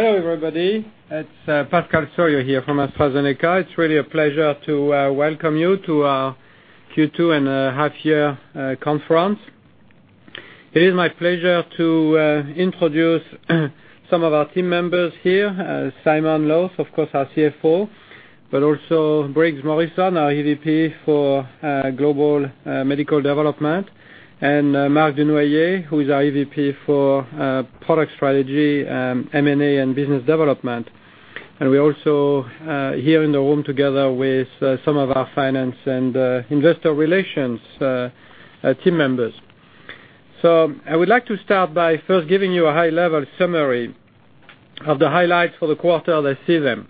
Hello, everybody. It's Pascal Soriot here from AstraZeneca. It's really a pleasure to welcome you to our Q2 and half-year conference. It is my pleasure to introduce some of our team members here. Simon Lowth, of course, our CFO, but also Briggs Morrison, our EVP for Global Medicines Development, and Marc Dunoyer, who is our EVP for Product Strategy, M&A, and Business Development. We're also here in the room together with some of our finance and investor relations team members. I would like to start by first giving you a high-level summary of the highlights for the quarter as I see them.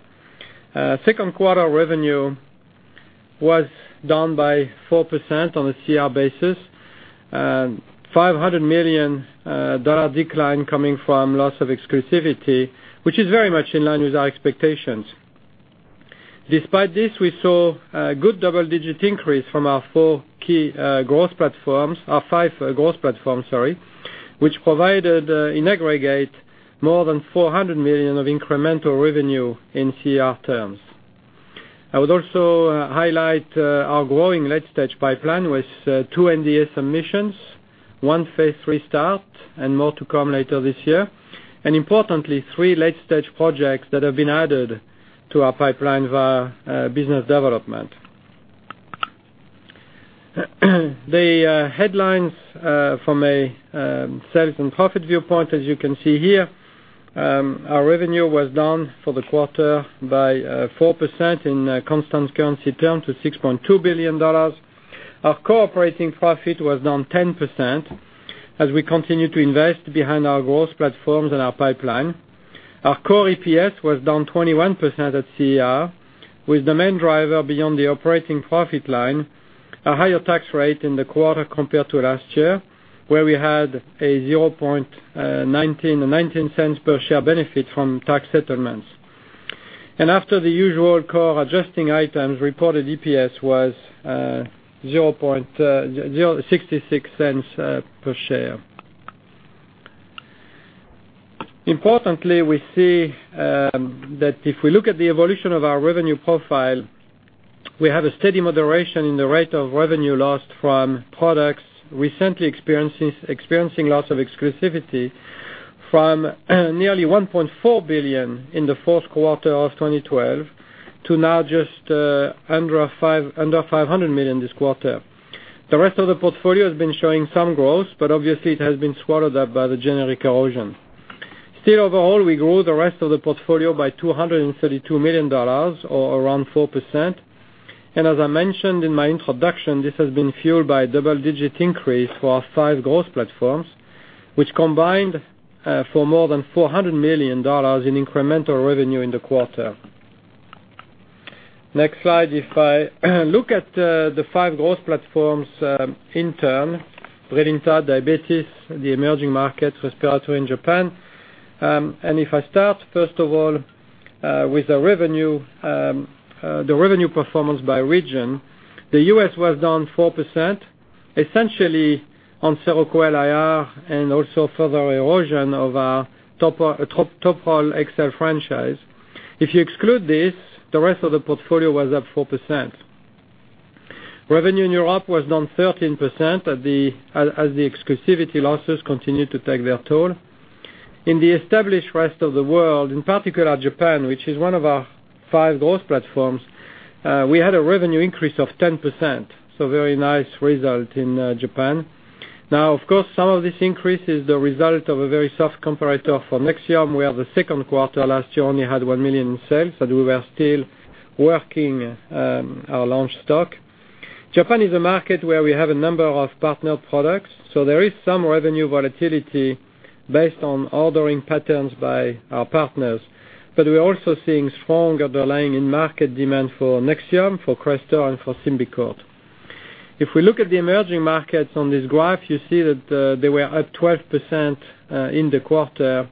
Second quarter revenue was down by 4% on a CR basis, a $500 million decline coming from loss of exclusivity, which is very much in line with our expectations. Despite this, we saw a good double-digit increase from our five growth platforms, which provided, in aggregate, more than $400 million of incremental revenue in CR terms. I would also highlight our growing late-stage pipeline with two NDA submissions, one phase III start, and more to come later this year. Importantly, three late-stage projects that have been added to our pipeline via business development. The headlines from a sales and profit viewpoint, as you can see here, our revenue was down for the quarter by 4% in constant currency terms to $6.2 billion. Our core operating profit was down 10% as we continue to invest behind our growth platforms and our pipeline. Our core EPS was down 21% at CR, with the main driver beyond the operating profit line, a higher tax rate in the quarter compared to last year, where we had a $0.19 per share benefit from tax settlements. After the usual core adjusting items, reported EPS was $0.66 per share. Importantly, we see that if we look at the evolution of our revenue profile, we have a steady moderation in the rate of revenue lost from products recently experiencing loss of exclusivity from nearly $1.4 billion in the fourth quarter of 2012 to now just under $500 million this quarter. The rest of the portfolio has been showing some growth, but obviously it has been swallowed up by the generic erosion. Still, overall, we grew the rest of the portfolio by $232 million, or around 4%. As I mentioned in my introduction, this has been fueled by a double-digit increase for our five growth platforms, which combined for more than $400 million in incremental revenue in the quarter. Next slide. If I look at the five growth platforms in turn, Brilinta, Diabetes, the Emerging Markets, Respiratory, and Japan. If I start, first of all, with the revenue performance by region, the U.S. was down 4%, essentially on SEROQUEL IR and also further erosion of our TOPROL-XL franchise. If you exclude this, the rest of the portfolio was up 4%. Revenue in Europe was down 13% as the exclusivity losses continued to take their toll. In the established rest of the world, in particular Japan, which is one of our five growth platforms, we had a revenue increase of 10%. Very nice result in Japan. Of course, some of this increase is the result of a very soft comparator for NEXIUM, where the second quarter last year only had $1 million in sales, and we were still working our launch stock. Japan is a market where we have a number of partner products. There is some revenue volatility based on ordering patterns by our partners. We're also seeing stronger underlying in-market demand for NEXIUM, for CRESTOR, and for SYMBICORT. We look at the emerging markets on this graph, you see that they were up 12% in the quarter.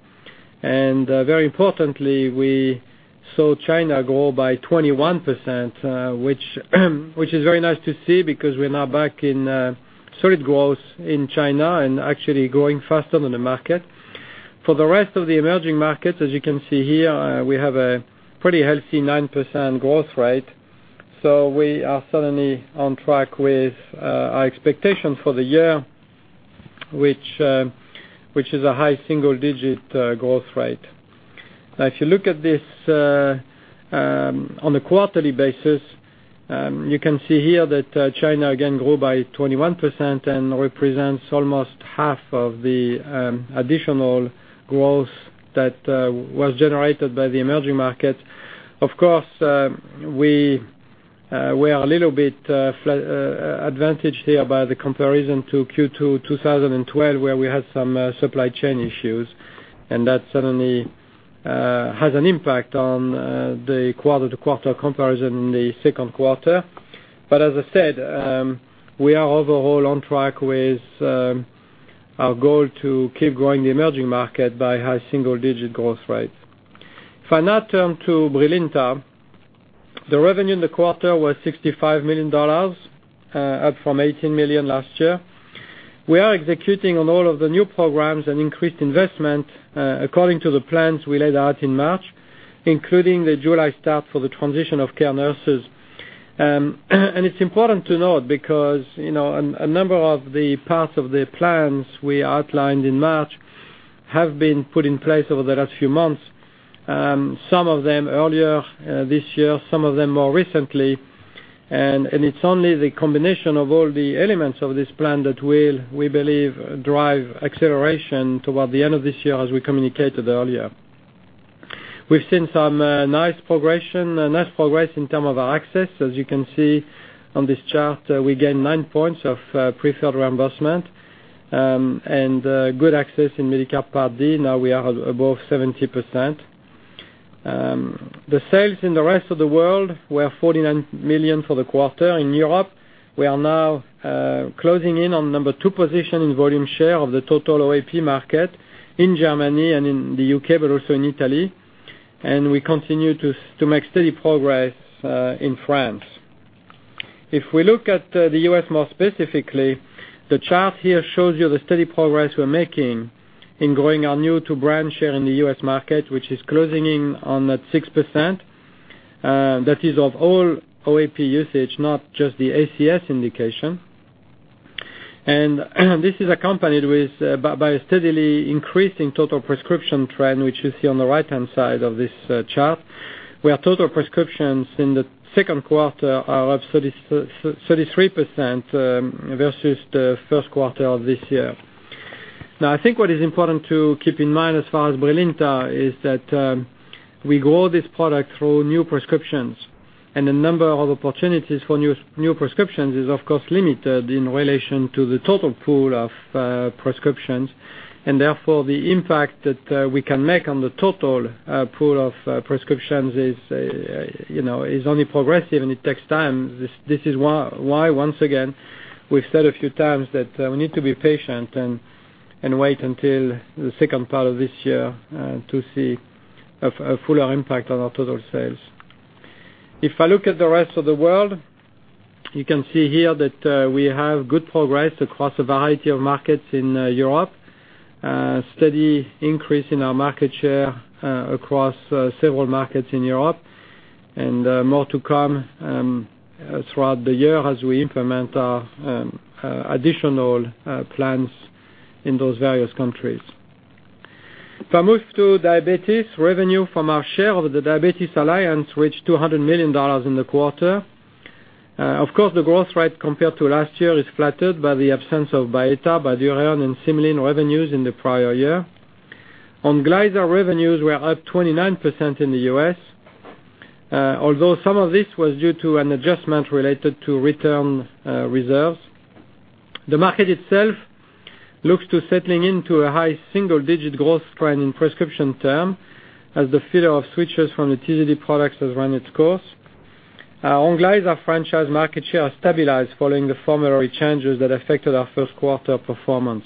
Very importantly, we saw China grow by 21%, which is very nice to see because we're now back in solid growth in China and actually growing faster than the market. For the rest of the emerging markets, as you can see here, we have a pretty healthy 9% growth rate. We are certainly on track with our expectation for the year, which is a high single-digit growth rate. If you look at this on a quarterly basis, you can see here that China, again, grew by 21% and represents almost half of the additional growth that was generated by the emerging market. Of course, we are a little bit advantaged here by the comparison to Q2 2012, where we had some supply chain issues, and that certainly has an impact on the quarter-to-quarter comparison in the second quarter. As I said, we are overall on track with our goal to keep growing the emerging market by high single-digit growth rates. If I now turn to Brilinta. The revenue in the quarter was $65 million, up from $18 million last year. We are executing on all of the new programs and increased investment according to the plans we laid out in March, including the July start for the transition of care nurses. It's important to note because, a number of the parts of the plans we outlined in March have been put in place over the last few months, some of them earlier this year, some of them more recently. It's only the combination of all the elements of this plan that will, we believe, drive acceleration toward the end of this year, as we communicated earlier. We've seen some nice progress in terms of our access. As you can see on this chart, we gained nine points of preferred reimbursement, and good access in Medicare Part D. Now we are above 70%. The sales in the rest of the world were $49 million for the quarter. In Europe, we are now closing in on number 2 position in volume share of the total OAP market, in Germany and in the U.K., but also in Italy. We continue to make steady progress in France. We look at the U.S. more specifically, the chart here shows you the steady progress we're making in growing our new to brand share in the U.S. market, which is closing in on at 6%. That is of all OAP usage, not just the ACS indication. This is accompanied by a steadily increasing total prescription trend, which you see on the right-hand side of this chart, where total prescriptions in the second quarter are up 33% versus the first quarter of this year. I think what is important to keep in mind as far as Brilinta is that we grow this product through new prescriptions, the number of opportunities for new prescriptions is, of course, limited in relation to the total pool of prescriptions. Therefore, the impact that we can make on the total pool of prescriptions is only progressive and it takes time. This is why, once again, we've said a few times that we need to be patient and wait until the second part of this year to see a fuller impact on our total sales. If I look at the rest of the world, you can see here that we have good progress across a variety of markets in Europe, a steady increase in our market share across several markets in Europe, and more to come throughout the year as we implement our additional plans in those various countries. If I move to diabetes, revenue from our share of the Diabetes Alliance reached $200 million in the quarter. Of course, the growth rate compared to last year is flattered by the absence of BYETTA, BYDUREON, and SYMLIN revenues in the prior year. ONGLYZA revenues were up 29% in the U.S., although some of this was due to an adjustment related to return reserves. The market itself looks to settling into a high single-digit growth trend in prescription term as the fear of switchers from the TZD products has run its course. Our ONGLYZA franchise market share stabilized following the formulary changes that affected our first quarter performance.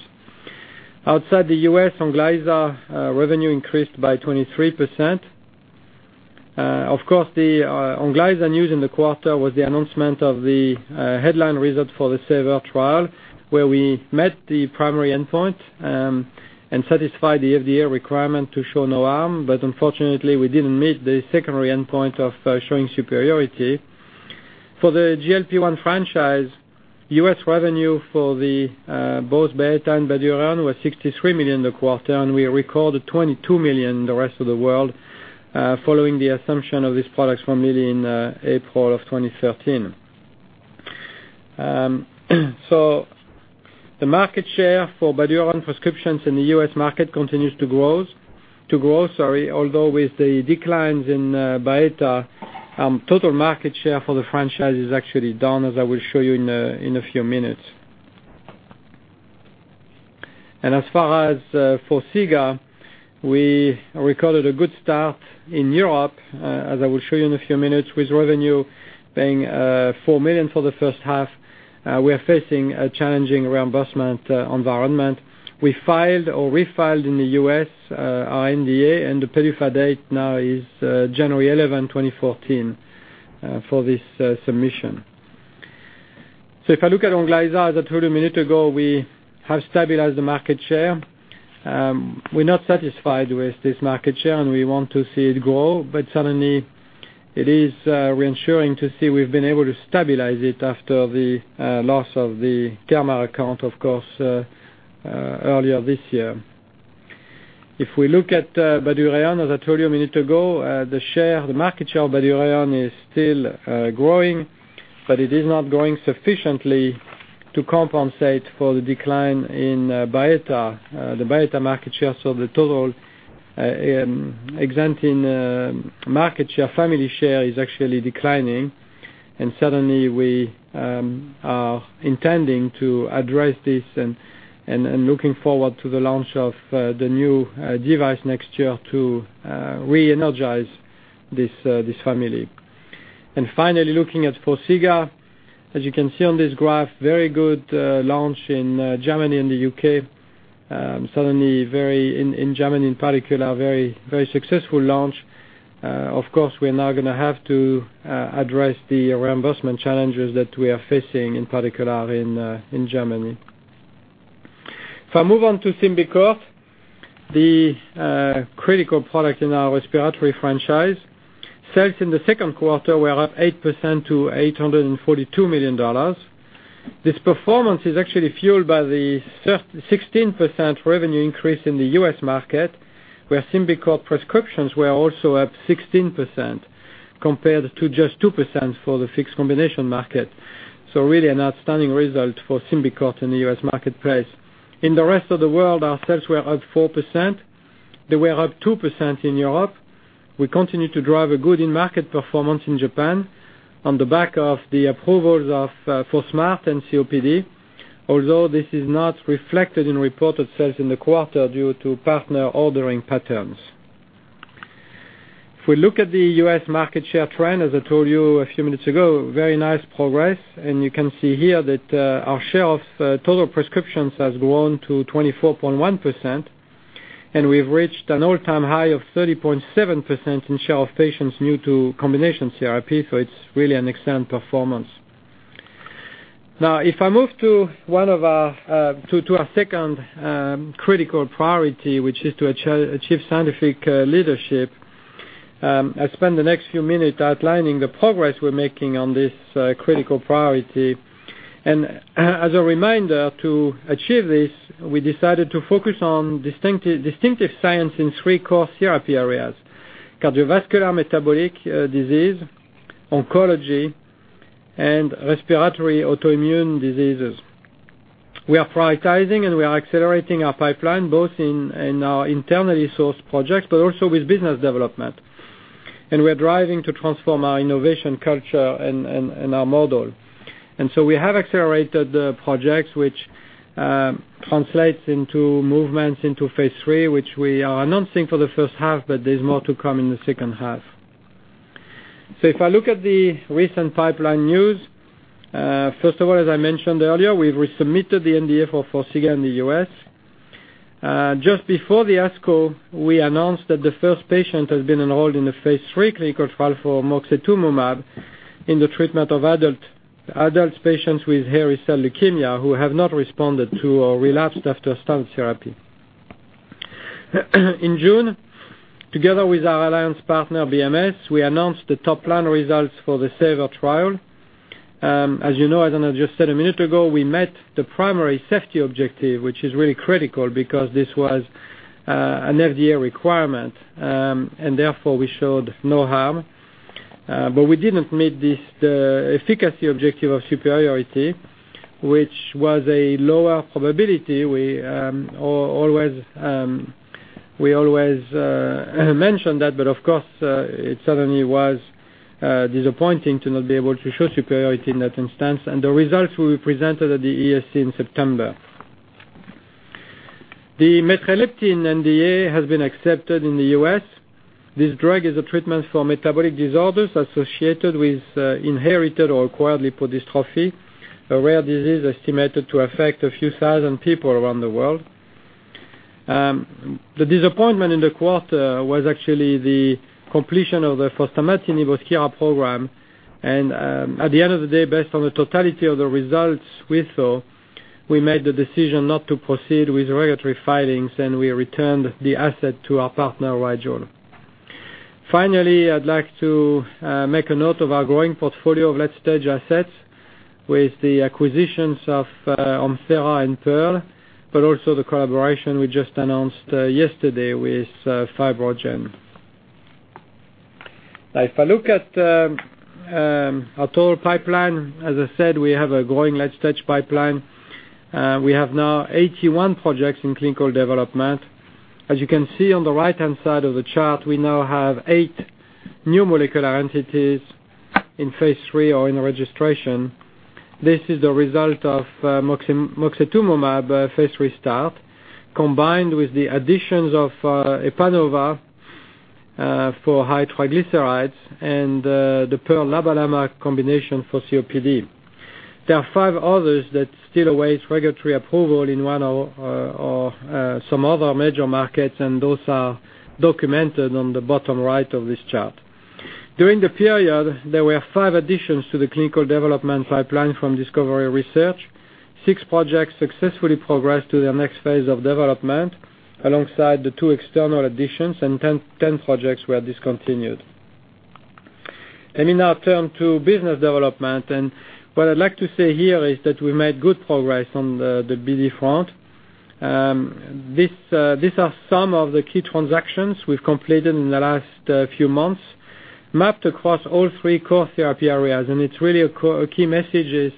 Outside the U.S., ONGLYZA revenue increased by 23%. Of course, the ONGLYZA news in the quarter was the announcement of the headline results for the SAVOR trial, where we met the primary endpoint and satisfied the FDA requirement to show no harm. Unfortunately, we didn't meet the secondary endpoint of showing superiority. For the GLP-1 franchise, U.S. revenue for both BYETTA and BYDUREON was $63 million in the quarter, and we recorded $22 million in the rest of the world, following the assumption of these products from Lilly in April of 2013. The market share for BYDUREON prescriptions in the U.S. market continues to grow, although with the declines in BYETTA, total market share for the franchise is actually down, as I will show you in a few minutes. As far as Forxiga, we recorded a good start in Europe, as I will show you in a few minutes, with revenue being $4 million for the first half. We are facing a challenging reimbursement environment. We filed or refiled in the U.S., our NDA, and the PDUFA date now is January 11, 2014, for this submission. If I look at ONGLYZA, as I told you a minute ago, we have stabilized the market share. We're not satisfied with this market share, and we want to see it grow, but certainly it is reassuring to see we've been able to stabilize it after the loss of the Gamma account, of course, earlier this year. If we look at BYDUREON, as I told you a minute ago, the market share of BYDUREON is still growing, but it is not growing sufficiently to compensate for the decline in the BYETTA market share. The total exenatide market share, family share, is actually declining. Certainly, we are intending to address this and looking forward to the launch of the new device next year to reenergize this family. Finally, looking at Forxiga. As you can see on this graph, very good launch in Germany and the U.K. Certainly, in Germany in particular, very successful launch. Of course, we're now going to have to address the reimbursement challenges that we are facing, in particular in Germany. If I move on to SYMBICORT, the critical product in our respiratory franchise. Sales in the second quarter were up 8% to $842 million. This performance is actually fueled by the 16% revenue increase in the U.S. market, where SYMBICORT prescriptions were also up 16%, compared to just 2% for the fixed combination market. Really an outstanding result for SYMBICORT in the U.S. marketplace. In the rest of the world, our sales were up 4%. They were up 2% in Europe. We continue to drive a good in-market performance in Japan on the back of the approvals of SYMBICORT and COPD, although this is not reflected in reported sales in the quarter due to partner ordering patterns. If we look at the U.S. market share trend, as I told you a few minutes ago, very nice progress, and you can see here that our share of total prescriptions has grown to 24.1%, and we've reached an all-time high of 30.7% in share of patients new to combination therapy. It's really an excellent performance. Now, if I move to our second critical priority, which is to achieve scientific leadership, I'll spend the next few minutes outlining the progress we're making on this critical priority. As a reminder, to achieve this, we decided to focus on distinctive science in three core therapy areas: cardiovascular metabolic disease, oncology, and respiratory autoimmune diseases. We are prioritizing and we are accelerating our pipeline, both in our internally sourced projects, but also with business development. We're driving to transform our innovation culture and our model. We have accelerated projects which translates into movements into phase III, which we are announcing for the first half, but there's more to come in the second half. If I look at the recent pipeline news, first of all, as I mentioned earlier, we've resubmitted the NDA for Forxiga in the U.S. Just before the ASCO, we announced that the first patient has been enrolled in the phase III clinical trial for moxetumomab in the treatment of adult patients with hairy cell leukemia who have not responded to or relapsed after standard therapy. In June, together with our alliance partner, BMS, we announced the top line results for the SAVOR trial. As you know, as I just said a minute ago, we met the primary safety objective, which is really critical because this was an FDA requirement, therefore, we showed no harm. We didn't meet the efficacy objective of superiority, which was a lower probability. We always mention that, of course, it certainly was disappointing to not be able to show superiority in that instance, the results will be presented at the ESC in September. The metreleptin NDA has been accepted in the U.S. This drug is a treatment for metabolic disorders associated with inherited or acquired lipodystrophy, a rare disease estimated to affect a few thousand people around the world. The disappointment in the quarter was actually the completion of the fostamatinib OSKIRA program. At the end of the day, based on the totality of the results we saw, we made the decision not to proceed with regulatory filings, and we returned the asset to our partner, Rigel. Finally, I'd like to make a note of our growing portfolio of late-stage assets with the acquisitions of Omthera and Pearl, but also the collaboration we just announced yesterday with FibroGen. If I look at our total pipeline, as I said, we have a growing late-stage pipeline. We have now 81 projects in clinical development. As you can see on the right-hand side of the chart, we now have eight new molecular entities in phase III or in registration. This is the result of moxetumomab phase restart, combined with the additions of EPANOVA for high triglycerides and the Pearl LABA/LAMA combination for COPD. There are five others that still await regulatory approval in one or some other major markets, and those are documented on the bottom right of this chart. During the period, there were five additions to the clinical development pipeline from discovery research. Six projects successfully progressed to their next phase of development alongside the two external additions, and 10 projects were discontinued. In our turn to business development, what I'd like to say here is that we made good progress on the BD front. These are some of the key transactions we've completed in the last few months, mapped across all three core therapy areas. It's really a key message is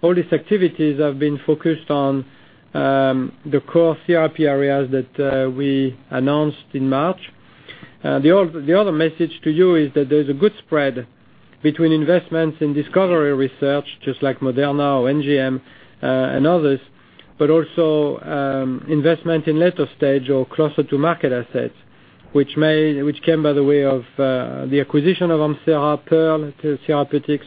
all these activities have been focused on the core CRP areas that we announced in March. The other message to you is that there's a good spread between investments in discovery research, just like Moderna or NGM and others, but also investment in later stage or closer to market assets. Which came by the way of the acquisition of Omthera and Pearl Therapeutics.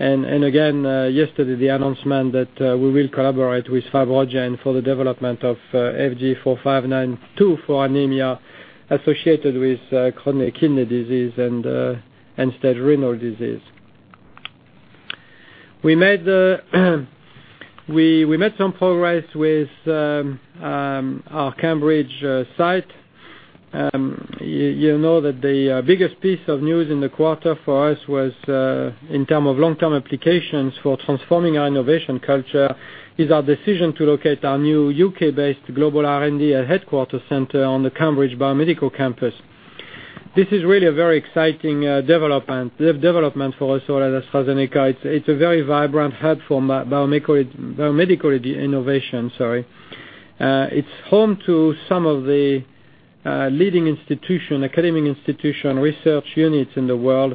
Again, yesterday, the announcement that we will collaborate with FibroGen for the development of FG-4592 for anemia associated with chronic kidney disease and end-stage renal disease. We made some progress with our Cambridge site. You know that the biggest piece of news in the quarter for us was in term of long-term applications for transforming our innovation culture, is our decision to locate our new U.K.-based global R&D headquarters center on the Cambridge Biomedical Campus. This is really a very exciting development for us or AstraZeneca. It's a very vibrant hub for biomedical innovation, sorry. It's home to some of the leading academic institution research units in the world.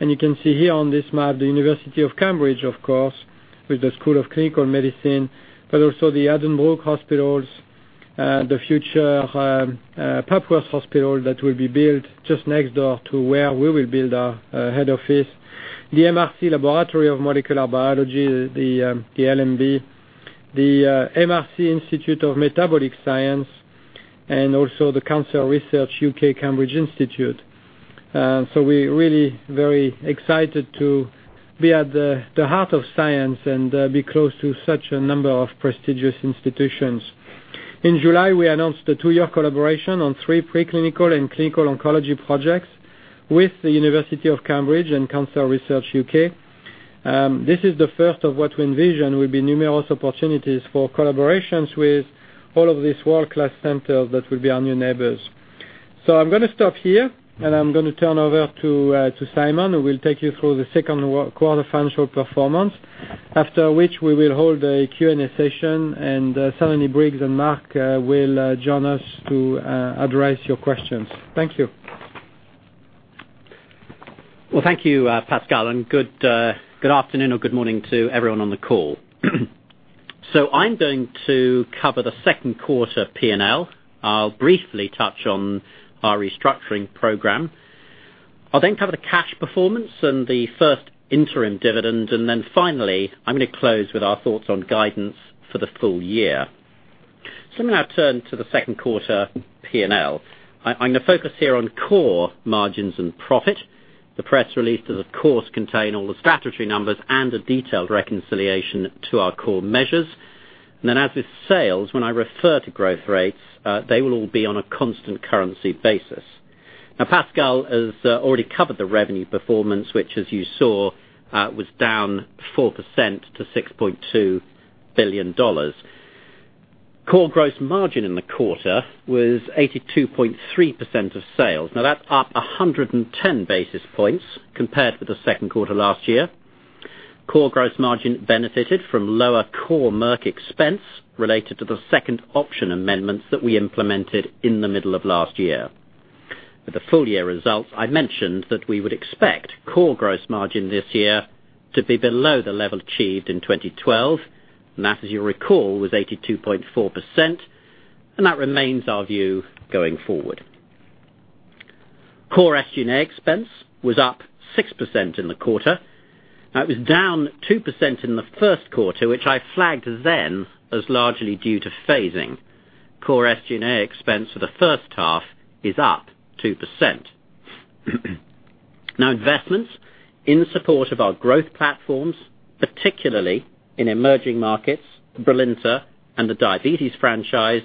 You can see here on this map, the University of Cambridge, of course, with the School of Clinical Medicine, but also the Addenbrooke's Hospital and the future Papworth Hospital that will be built just next door to where we will build our head office. The MRC Laboratory of Molecular Biology, the LMB, the MRC Institute of Metabolic Science, and also the Cancer Research UK Cambridge Institute. We're really very excited to be at the heart of science and be close to such a number of prestigious institutions. In July, we announced a 2-year collaboration on three preclinical and clinical oncology projects with the University of Cambridge and Cancer Research UK. This is the first of what we envision will be numerous opportunities for collaborations with all of these world-class centers that will be our new neighbors. I'm going to stop here and I'm going to turn over to Simon, who will take you through the second quarter financial performance. After which we will hold a Q&A session, and Simon, Briggs and Marc will join us to address your questions. Thank you. Thank you, Pascal, and good afternoon or good morning to everyone on the call. I'm going to cover the second quarter P&L. I'll briefly touch on our restructuring program. I'll cover the cash performance and the first interim dividend. Finally, I'm going to close with our thoughts on guidance for the full year. I'm going to now turn to the second quarter P&L. I'm going to focus here on core margins and profit. The press release does, of course, contain all the statutory numbers and a detailed reconciliation to our core measures. As with sales, when I refer to growth rates, they will all be on a constant currency basis. Pascal has already covered the revenue performance, which as you saw, was down 4% to $6.2 billion. Core gross margin in the quarter was 82.3% of sales. That's up 110 basis points compared with the second quarter last year. Core gross margin benefited from lower Core Merck expense related to the second option amendments that we implemented in the middle of last year. With the full year results, I mentioned that we would expect core gross margin this year to be below the level achieved in 2012. That, as you recall, was 82.4%, and that remains our view going forward. Core SG&A expense was up 6% in the quarter. It was down 2% in the first quarter, which I flagged then as largely due to phasing. Core SG&A expense for the first half is up 2%. Investments in support of our growth platforms, particularly in emerging markets, Brilinta and the diabetes franchise,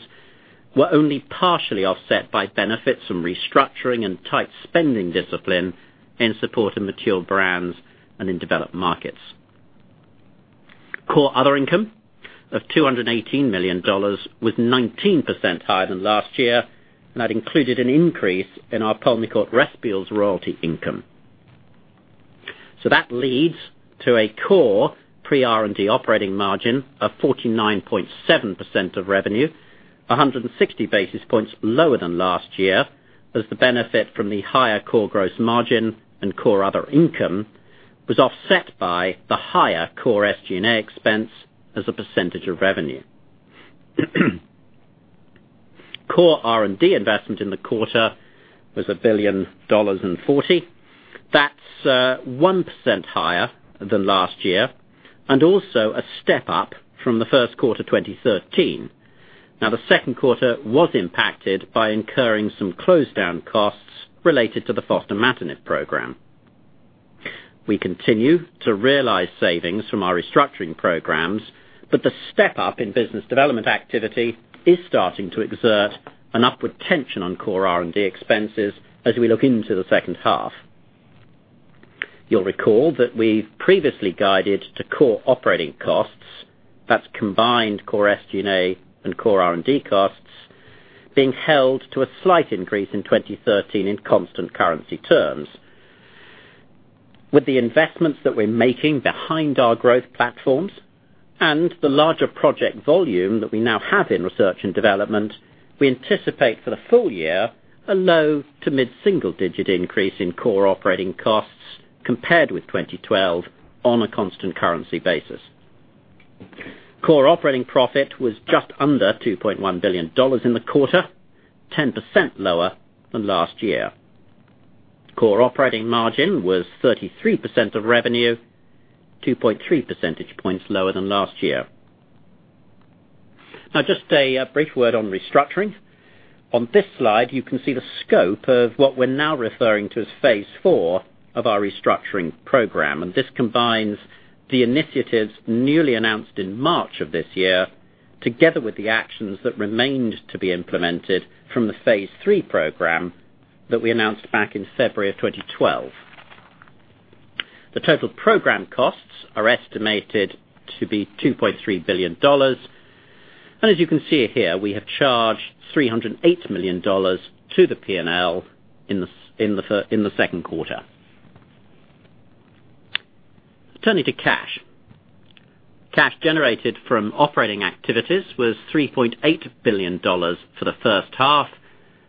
were only partially offset by benefits from restructuring and tight spending discipline in support of mature brands and in developed markets. Core other income of $218 million was 19% higher than last year, and that included an increase in our Pulmicort Respules royalty income. That leads to a core pre-R&D operating margin of 49.7% of revenue, 160 basis points lower than last year, as the benefit from the higher core gross margin and core other income was offset by the higher core SG&A expense as a percentage of revenue. Core R&D investment in the quarter was $1.040 billion. That's 1% higher than last year, and also a step up from the first quarter 2013. The second quarter was impacted by incurring some closed down costs related to the fostamatinib program. We continue to realize savings from our restructuring programs, but the step up in business development activity is starting to exert an upward tension on core R&D expenses as we look into the second half. You'll recall that we've previously guided to core operating costs. That's combined core SG&A and core R&D costs being held to a slight increase in 2013 in constant currency terms. With the investments that we're making behind our growth platforms and the larger project volume that we now have in research and development, we anticipate for the full year a low to mid-single digit increase in core operating costs compared with 2012 on a constant currency basis. Core operating profit was just under $2.1 billion in the quarter, 10% lower than last year. Core operating margin was 33% of revenue, 2.3 percentage points lower than last year. Just a brief word on restructuring. On this slide, you can see the scope of what we're now referring to as phase 4 of our restructuring program. This combines the initiatives newly announced in March of this year, together with the actions that remained to be implemented from the phase 3 program that we announced back in February of 2012. The total program costs are estimated to be $2.3 billion. As you can see here, we have charged $308 million to the P&L in the second quarter. Turning to cash. Cash generated from operating activities was $3.8 billion for the first half,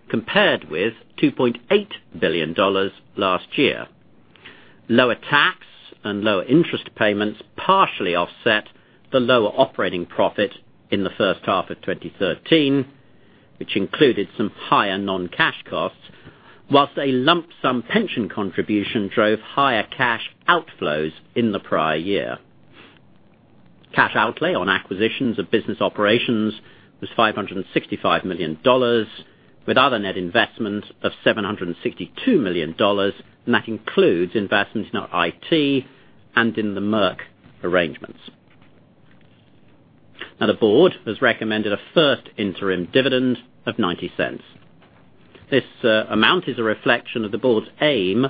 compared with $2.8 billion last year. Lower tax and lower interest payments partially offset the lower operating profit in the first half of 2013, which included some higher non-cash costs, whilst a lump sum pension contribution drove higher cash outflows in the prior year. Cash outlay on acquisitions of business operations was $565 million, with other net investment of $762 million, and that includes investments in our IT and in the Merck arrangements. The board has recommended a first interim dividend of $0.90. This amount is a reflection of the board's aim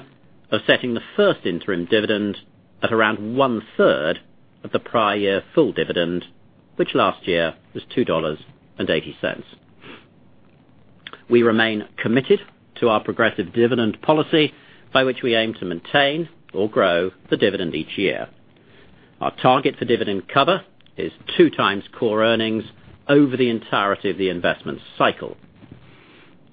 of setting the first interim dividend at around one-third of the prior year full dividend, which last year was $2.80. We remain committed to our progressive dividend policy, by which we aim to maintain or grow the dividend each year. Our target for dividend cover is two times core earnings over the entirety of the investment cycle.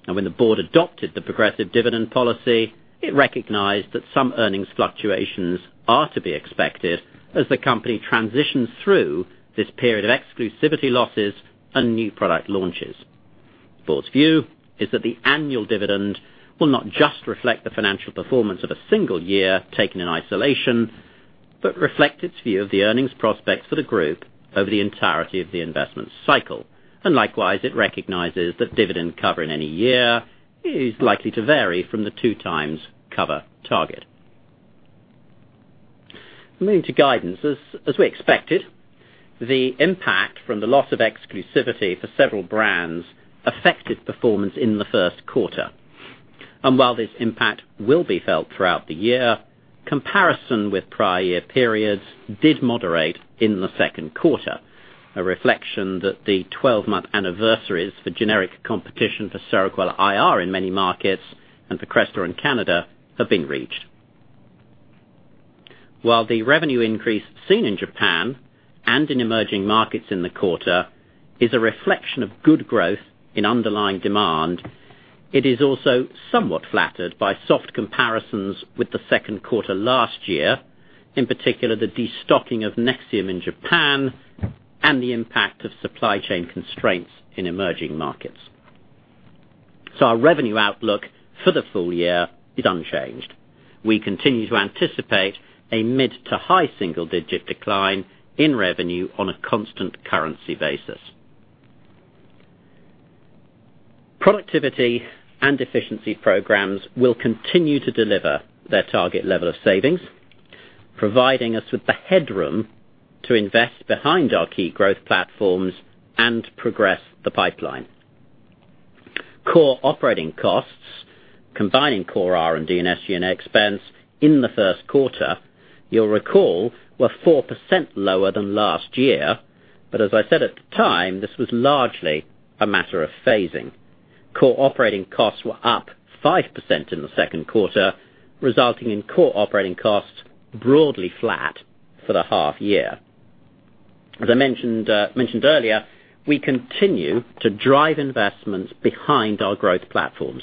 When the board adopted the progressive dividend policy, it recognized that some earnings fluctuations are to be expected as the company transitions through this period of exclusivity losses and new product launches. Board's view is that the annual dividend will not just reflect the financial performance of a single year, taken in isolation, but reflect its view of the earnings prospects for the group over the entirety of the investment cycle. Likewise, it recognizes that dividend cover in any year is likely to vary from the two times cover target. Moving to guidance. As we expected, the impact from the loss of exclusivity for several brands affected performance in the first quarter. While this impact will be felt throughout the year, comparison with prior year periods did moderate in the second quarter, a reflection that the 12-month anniversaries for generic competition for Seroquel IR in many markets, and for Crestor in Canada, have been reached. While the revenue increase seen in Japan and in emerging markets in the quarter is a reflection of good growth in underlying demand, it is also somewhat flattered by soft comparisons with the second quarter last year, in particular, the destocking of Nexium in Japan and the impact of supply chain constraints in emerging markets. Our revenue outlook for the full year is unchanged. We continue to anticipate a mid-to-high single-digit decline in revenue on a constant currency basis. Productivity and efficiency programs will continue to deliver their target level of savings, providing us with the headroom to invest behind our key growth platforms and progress the pipeline. Core operating costs, combining core R&D and SG&A expense in the first quarter, you'll recall, were 4% lower than last year. As I said at the time, this was largely a matter of phasing. Core operating costs were up 5% in the second quarter, resulting in core operating costs broadly flat for the half year. As I mentioned earlier, we continue to drive investments behind our growth platforms.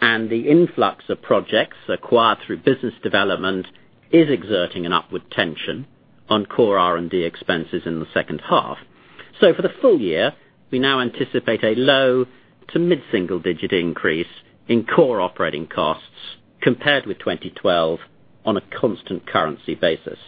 The influx of projects acquired through business development is exerting an upward tension on core R&D expenses in the second half. For the full year, we now anticipate a low-to-mid single-digit increase in core operating costs compared with 2012 on a constant currency basis.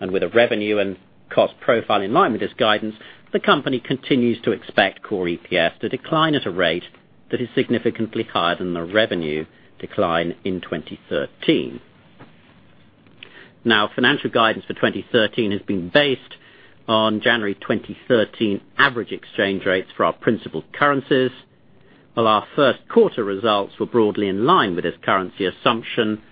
With the revenue and cost profile in line with this guidance, the company continues to expect core EPS to decline at a rate that is significantly higher than the revenue decline in 2013. Now, financial guidance for 2013 has been based on January 2013 average exchange rates for our principal currencies. While our first quarter results were broadly in line with this currency assumption,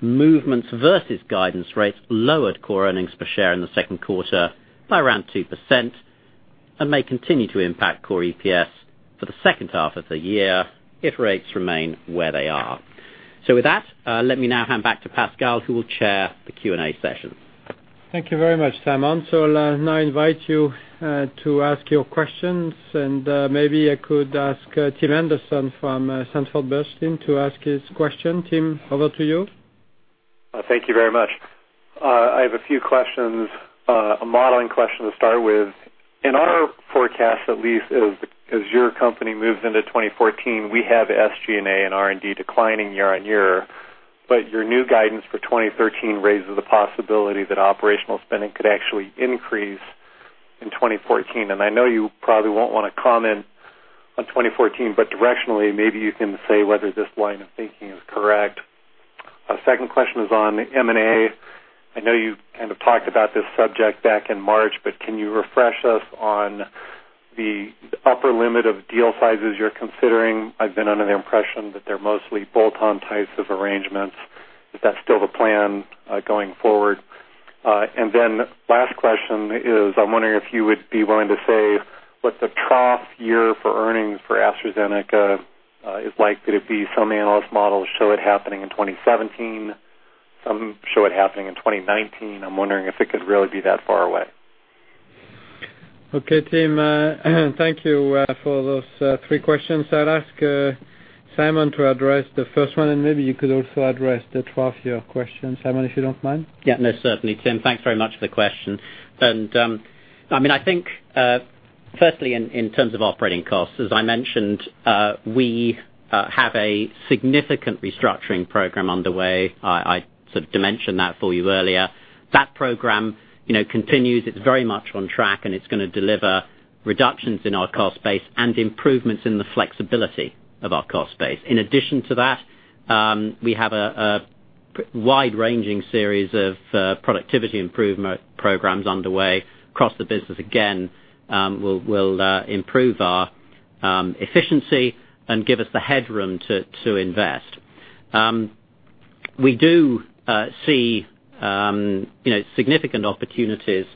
movements versus guidance rates lowered core earnings per share in the second quarter by around 2% and may continue to impact core EPS for the second half of the year if rates remain where they are. With that, let me now hand back to Pascal, who will chair the Q&A session. Thank you very much, Simon. I'll now invite you to ask your questions, and maybe I could ask Tim Anderson from Sanford Bernstein to ask his question. Tim, over to you. Thank you very much. I have a few questions, a modeling question to start with. In our forecast, at least as your company moves into 2014, we have SG&A and R&D declining year-on-year. Your new guidance for 2013 raises the possibility that operational spending could actually increase in 2014. I know you probably won't want to comment on 2014, directionally, maybe you can say whether this line of thinking is correct. A second question is on M&A. I know you kind of talked about this subject back in March, can you refresh us on the upper limit of deal sizes you're considering? I've been under the impression that they're mostly bolt-on types of arrangements. Is that still the plan going forward? Last question is, I'm wondering if you would be willing to say what the trough year for earnings for AstraZeneca is likely to be. Some analyst models show it happening in 2017. Some show it happening in 2019. I'm wondering if it could really be that far away. Okay, Tim, thank you for those three questions. I'll ask Simon to address the first one, and maybe you could also address the trough year question, Simon, if you don't mind. Yeah. No, certainly, Tim. Thanks very much for the question. I think, firstly, in terms of operating costs, as I mentioned, we have a significant restructuring program underway. I sort of dimensioned that for you earlier. That program continues. It's very much on track, and it's going to deliver reductions in our cost base and improvements in the flexibility of our cost base. In addition to that, we have a wide-ranging series of productivity improvement programs underway across the business. Again, we'll improve our efficiency and give us the headroom to invest. We do see significant opportunities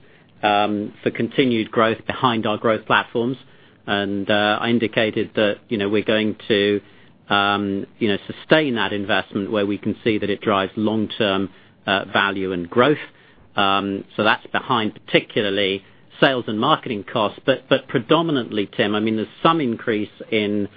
for continued growth behind our growth platforms. I indicated that we're going to sustain that investment where we can see that it drives long-term value and growth. That's behind particularly sales and marketing costs. Predominantly, Tim, there's some increase in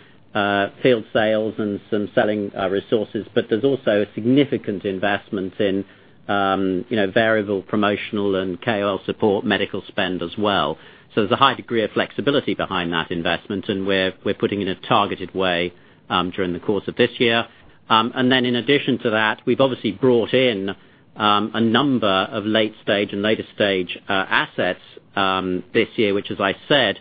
field sales and some selling resources, but there's also a significant investment in variable promotional and KOL support, medical spend as well. There's a high degree of flexibility behind that investment, and we're putting in a targeted way during the course of this year. In addition to that, we've obviously brought in a number of late-stage and later-stage assets this year, which, as I said,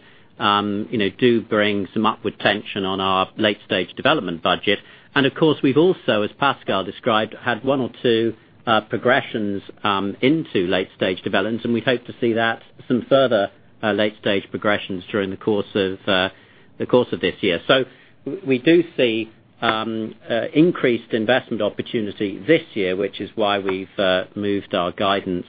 do bring some upward tension on our late-stage development budget. Of course, we've also, as Pascal described, had one or two progressions into late-stage development, and we hope to see some further late-stage progressions during the course of this year. We do see increased investment opportunity this year, which is why we've moved our guidance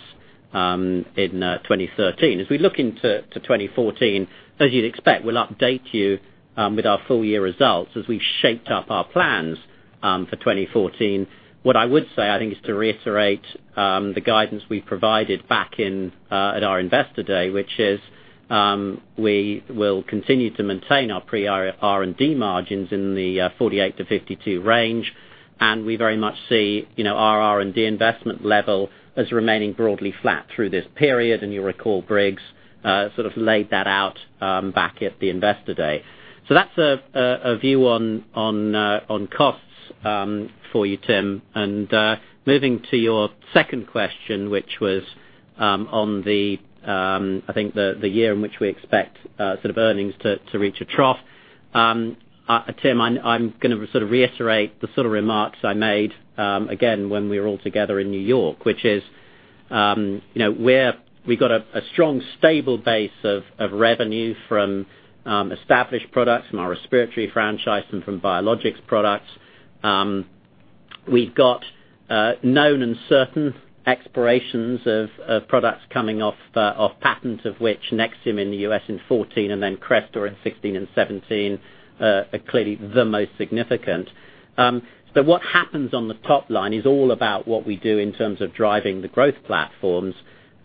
in 2013. As we look into 2014, as you'd expect, we'll update you with our full-year results as we've shaped up our plans for 2014. What I would say, I think, is to reiterate the guidance we provided back at our investor day, which is we will continue to maintain our pre-R&D margins in the 48%-52% range, and we very much see our R&D investment level as remaining broadly flat through this period. You'll recall Briggs sort of laid that out back at the investor day. That's a view on costs for you, Tim. Moving to your second question, which was on the, I think, the year in which we expect sort of earnings to reach a trough. Tim, I'm going to sort of reiterate the sort of remarks I made again when we were all together in New York, which is we've got a strong, stable base of revenue from established products from our respiratory franchise and from biologics products. We've got known and certain expirations of products coming off patent, of which NEXIUM in the U.S. in 2014 and then CRESTOR in 2016 and 2017 are clearly the most significant. What happens on the top line is all about what we do in terms of driving the growth platforms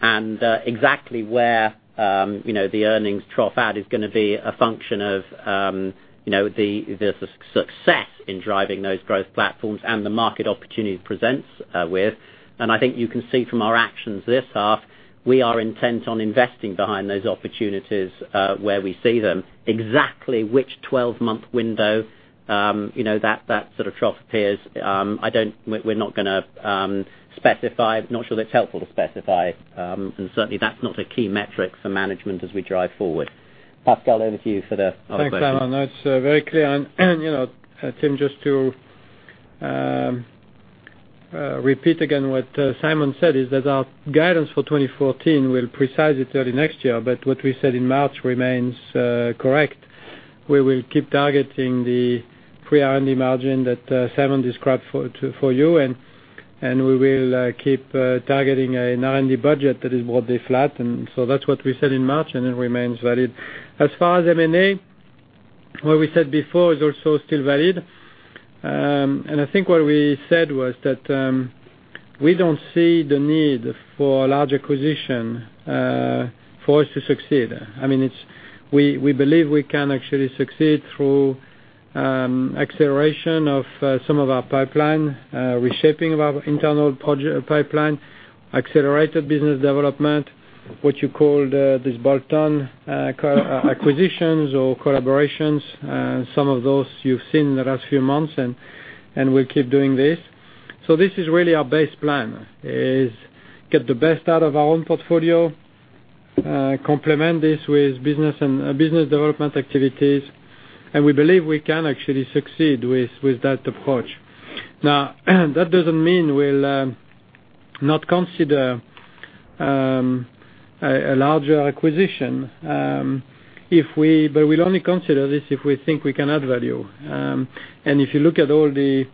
and exactly where the earnings trough out is going to be a function of the success in driving those growth platforms and the market opportunity presents with. I think you can see from our actions this half, we are intent on investing behind those opportunities where we see them. Exactly which 12-month window that sort of trough appears, we're not going to specify. Not sure that's helpful to specify. Certainly, that's not a key metric for management as we drive forward. Pascal, over to you for the other question. Thanks, Simon. That's very clear. Tim, just to repeat again what Simon said is that our guidance for 2014 will precise it early next year. What we said in March remains correct. We will keep targeting the pre-R&D margin that Simon described for you, and we will keep targeting an R&D budget that is broadly flat. That's what we said in March, and it remains valid. As far as M&A, what we said before is also still valid. I think what we said was that we don't see the need for a large acquisition for us to succeed. We believe we can actually succeed through acceleration of some of our pipeline, reshaping of our internal project pipeline, accelerated business development, what you called these bolt-on acquisitions or collaborations. Some of those you've seen in the last few months, and we'll keep doing this. This is really our base plan, is get the best out of our own portfolio, complement this with business and business development activities, and we believe we can actually succeed with that approach. That doesn't mean we'll not consider a larger acquisition. We'll only consider this if we think we can add value. If you look at all the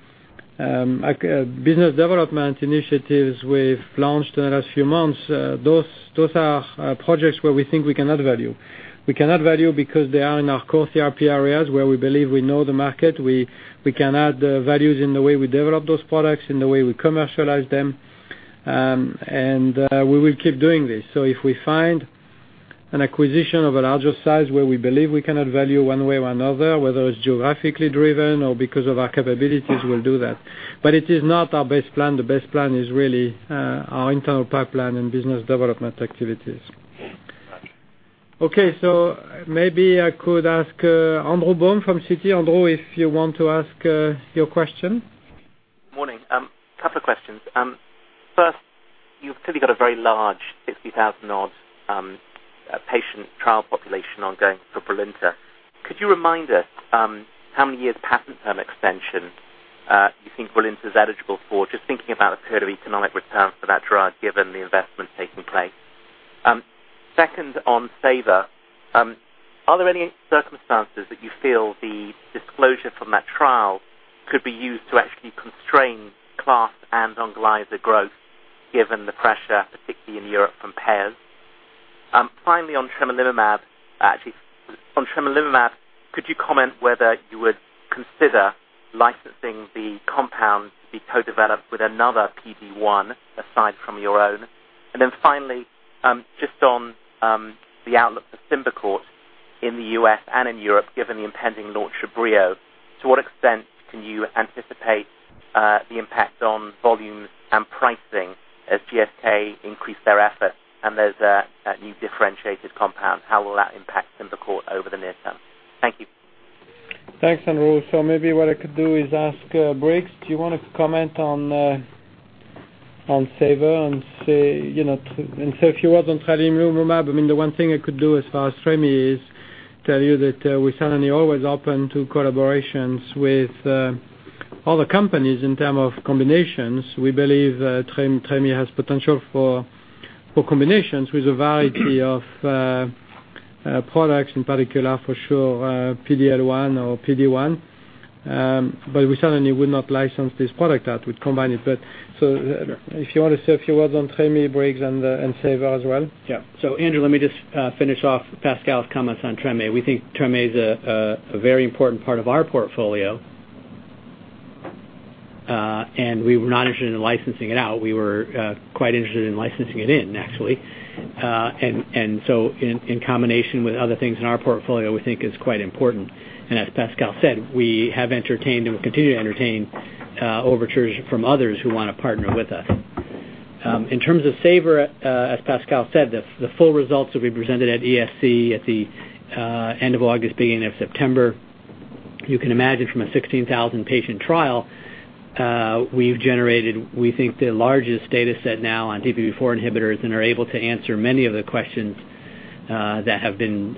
business development initiatives we've launched in the last few months, those are projects where we think we can add value. We can add values in the way we develop those products, in the way we commercialize them, and we will keep doing this. If we find an acquisition of a larger size where we believe we can add value one way or another, whether it's geographically driven or because of our capabilities, we'll do that. It is not our base plan. The base plan is really our internal pipeline and business development activities. Got you. Maybe I could ask Andrew Baum from Citi. Andrew, if you want to ask your question? Morning. couple of questions. First, you've clearly got a very large, 60,000-odd patient trial population ongoing for Brilinta. Could you remind us how many years patent term extension you think Brilinta is eligible for? Just thinking about the period of economic return for that drug, given the investment taking place. Second, on SAVOR. Are there any circumstances that you feel the disclosure from that trial could be used to actually constrain class and ONGLYZA growth, given the pressure, particularly in Europe, from payers? Finally, on tremelimumab, could you comment whether you would consider licensing the compound to be co-developed with another PD-1 aside from your own? Finally, just on the outlook for SYMBICORT in the U.S. and in Europe, given the impending launch of Breo, to what extent can you anticipate the impact on volumes and pricing as GSK increase their effort and those new differentiated compounds? How will that impact SYMBICORT over the near term? Thank you. Thanks, Andrew. Maybe what I could do is ask Briggs, do you want to comment on SAVOR and say a few words on tremelimumab? The one thing I could do as far as TREME is tell you that we're certainly always open to collaborations with other companies in terms of combinations. We believe TREME has potential for combinations with a variety of products, in particular for sure, PD-L1 or PD-1. We certainly would not license this product out. We'd combine it. If you want to say a few words on TREME, Briggs, and SAVOR as well. Yeah. Andrew, let me just finish off Pascal's comments on TREME. We think TREME is a very important part of our portfolio. We were not interested in licensing it out. We were quite interested in licensing it in, actually. In combination with other things in our portfolio, we think it's quite important. As Pascal said, we have entertained and will continue to entertain overtures from others who want to partner with us. In terms of SAVOR, as Pascal said, the full results will be presented at ESC at the end of August, beginning of September. You can imagine from a 16,000-patient trial, we've generated, we think, the largest data set now on DPP4 inhibitors and are able to answer many of the questions that have been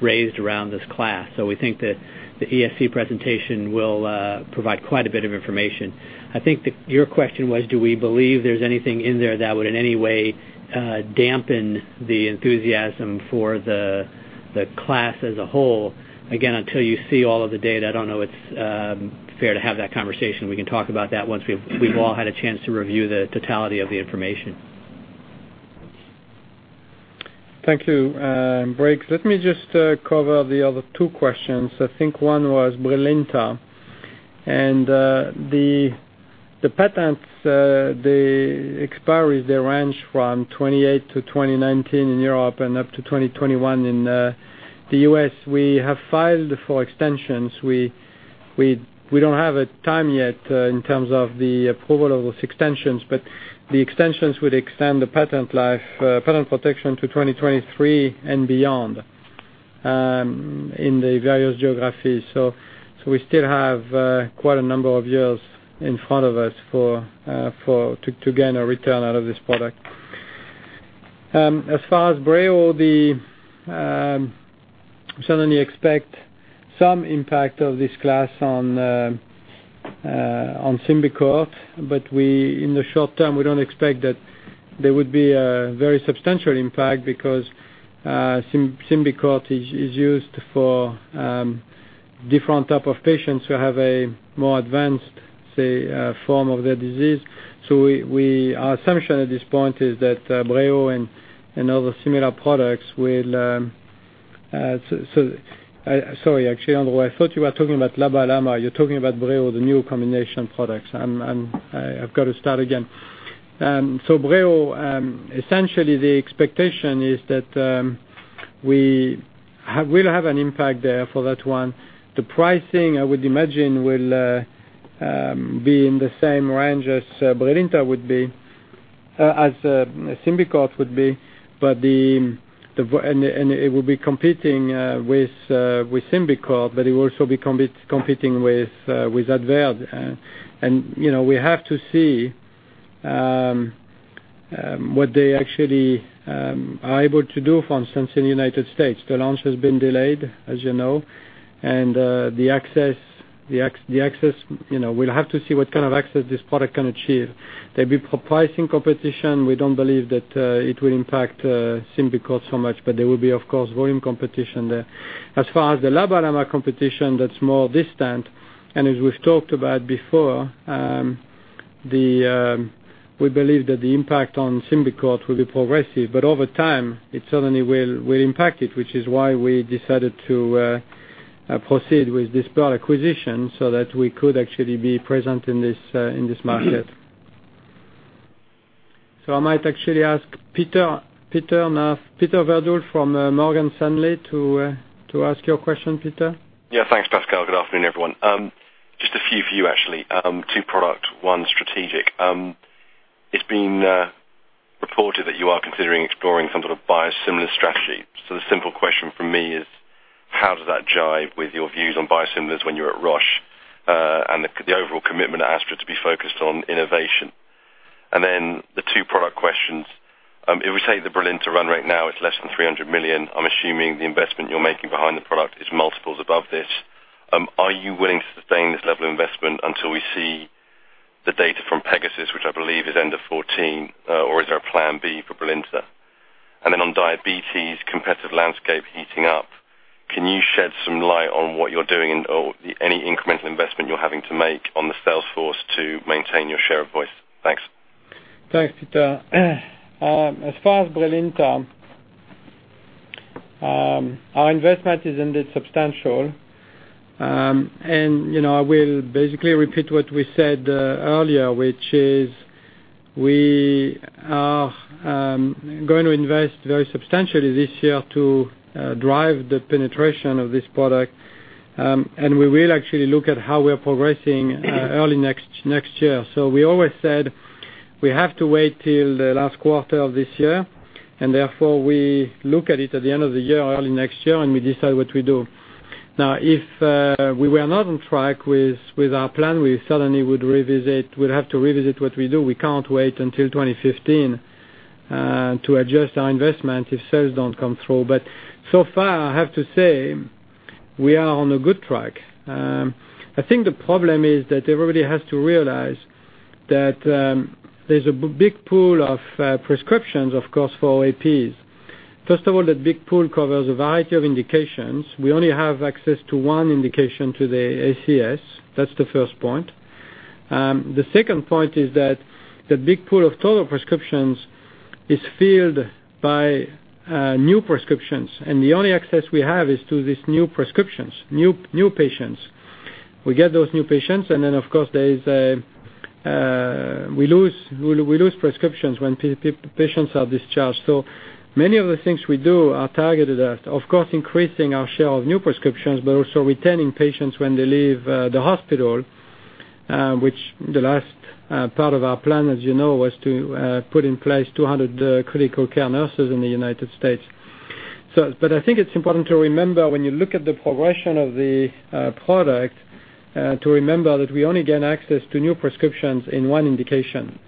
raised around this class. We think that the ESC presentation will provide quite a bit of information. I think that your question was, do we believe there's anything in there that would in any way dampen the enthusiasm for the class as a whole. Until you see all of the data, I don't know it's fair to have that conversation. We can talk about that once we've all had a chance to review the totality of the information. Thank you, Briggs. Let me just cover the other two questions. I think one was Brilinta, and the patents, the expiries, they range from 2018 to 2019 in Europe and up to 2021 in the U.S. We have filed for extensions. We don't have a time yet in terms of the approval of those extensions, but the extensions would extend the patent life, patent protection to 2023 and beyond in the various geographies. We still have quite a number of years in front of us to gain a return out of this product. As far as Breo, we certainly expect some impact of this class on Symbicort, but in the short term, we don't expect that there would be a very substantial impact because Symbicort is used for different type of patients who have a more advanced, say, form of the disease. Our assumption at this point is that Breo and other similar products will Sorry, actually, Andrew, I thought you were talking about LABA/LAMA. You're talking about Breo, the new combination product. I've got to start again. Breo, essentially the expectation is that we will have an impact there for that one. The pricing, I would imagine, will be in the same range as Symbicort would be. It will be competing with Symbicort, but it will also be competing with Advair. We have to see what they actually are able to do, for instance, in the U.S. The launch has been delayed, as you know. We'll have to see what kind of access this product can achieve. There'll be pricing competition. We don't believe that it will impact Symbicort so much, but there will be, of course, volume competition there. As far as the LABA/LAMA competition, that's more distant, and as we've talked about before, we believe that the impact on Symbicort will be progressive, but over time, it certainly will impact it, which is why we decided to proceed with this product acquisition so that we could actually be present in this market. I might actually ask Peter Verdult from Morgan Stanley to ask your question, Peter. Yeah, thanks, Pascal. Good afternoon, everyone. Just a few for you, actually. Two product, one strategic. It's been reported that you are considering exploring some sort of biosimilar strategy. The simple question from me is how does that jive with your views on biosimilars when you were at Roche, and the overall commitment at Astra to be focused on innovation? Then the two product questions. If we take the Brilinta run rate now, it's less than 300 million. I'm assuming the investment you're making behind the product is multiples above this. Are you willing to sustain this level of investment until we see the data from PEGASUS, which I believe is end of 2014, or is there a plan B for Brilinta? Then on diabetes, competitive landscape heating up, can you shed some light on what you're doing and any incremental investment you're having to make on the sales force to maintain your share of voice? Thanks. Thanks, Peter. As far as Brilinta, our investment is indeed substantial. I will basically repeat what we said earlier, which is we are going to invest very substantially this year to drive the penetration of this product. We will actually look at how we're progressing early next year. We always said we have to wait till the last quarter of this year, and therefore we look at it at the end of the year or early next year, and we decide what we do. If we were not on track with our plan, we suddenly would have to revisit what we do. We can't wait until 2015 to adjust our investment if sales don't come through. So far, I have to say, we are on a good track. I think the problem is that everybody has to realize that there's a big pool of prescriptions, of course, for APs. First of all, that big pool covers a variety of indications. We only have access to one indication to the ACS. That's the first point. The second point is that the big pool of total prescriptions is filled by new prescriptions, and the only access we have is to these new prescriptions, new patients. We get those new patients, and then, of course, we lose prescriptions when patients are discharged. Many of the things we do are targeted at, of course, increasing our share of new prescriptions, but also retaining patients when they leave the hospital, which the last part of our plan, as you know, was to put in place 200 critical care nurses in the U.S. I think it's important to remember when you look at the progression of the product, to remember that we only gain access to new prescriptions in one indication.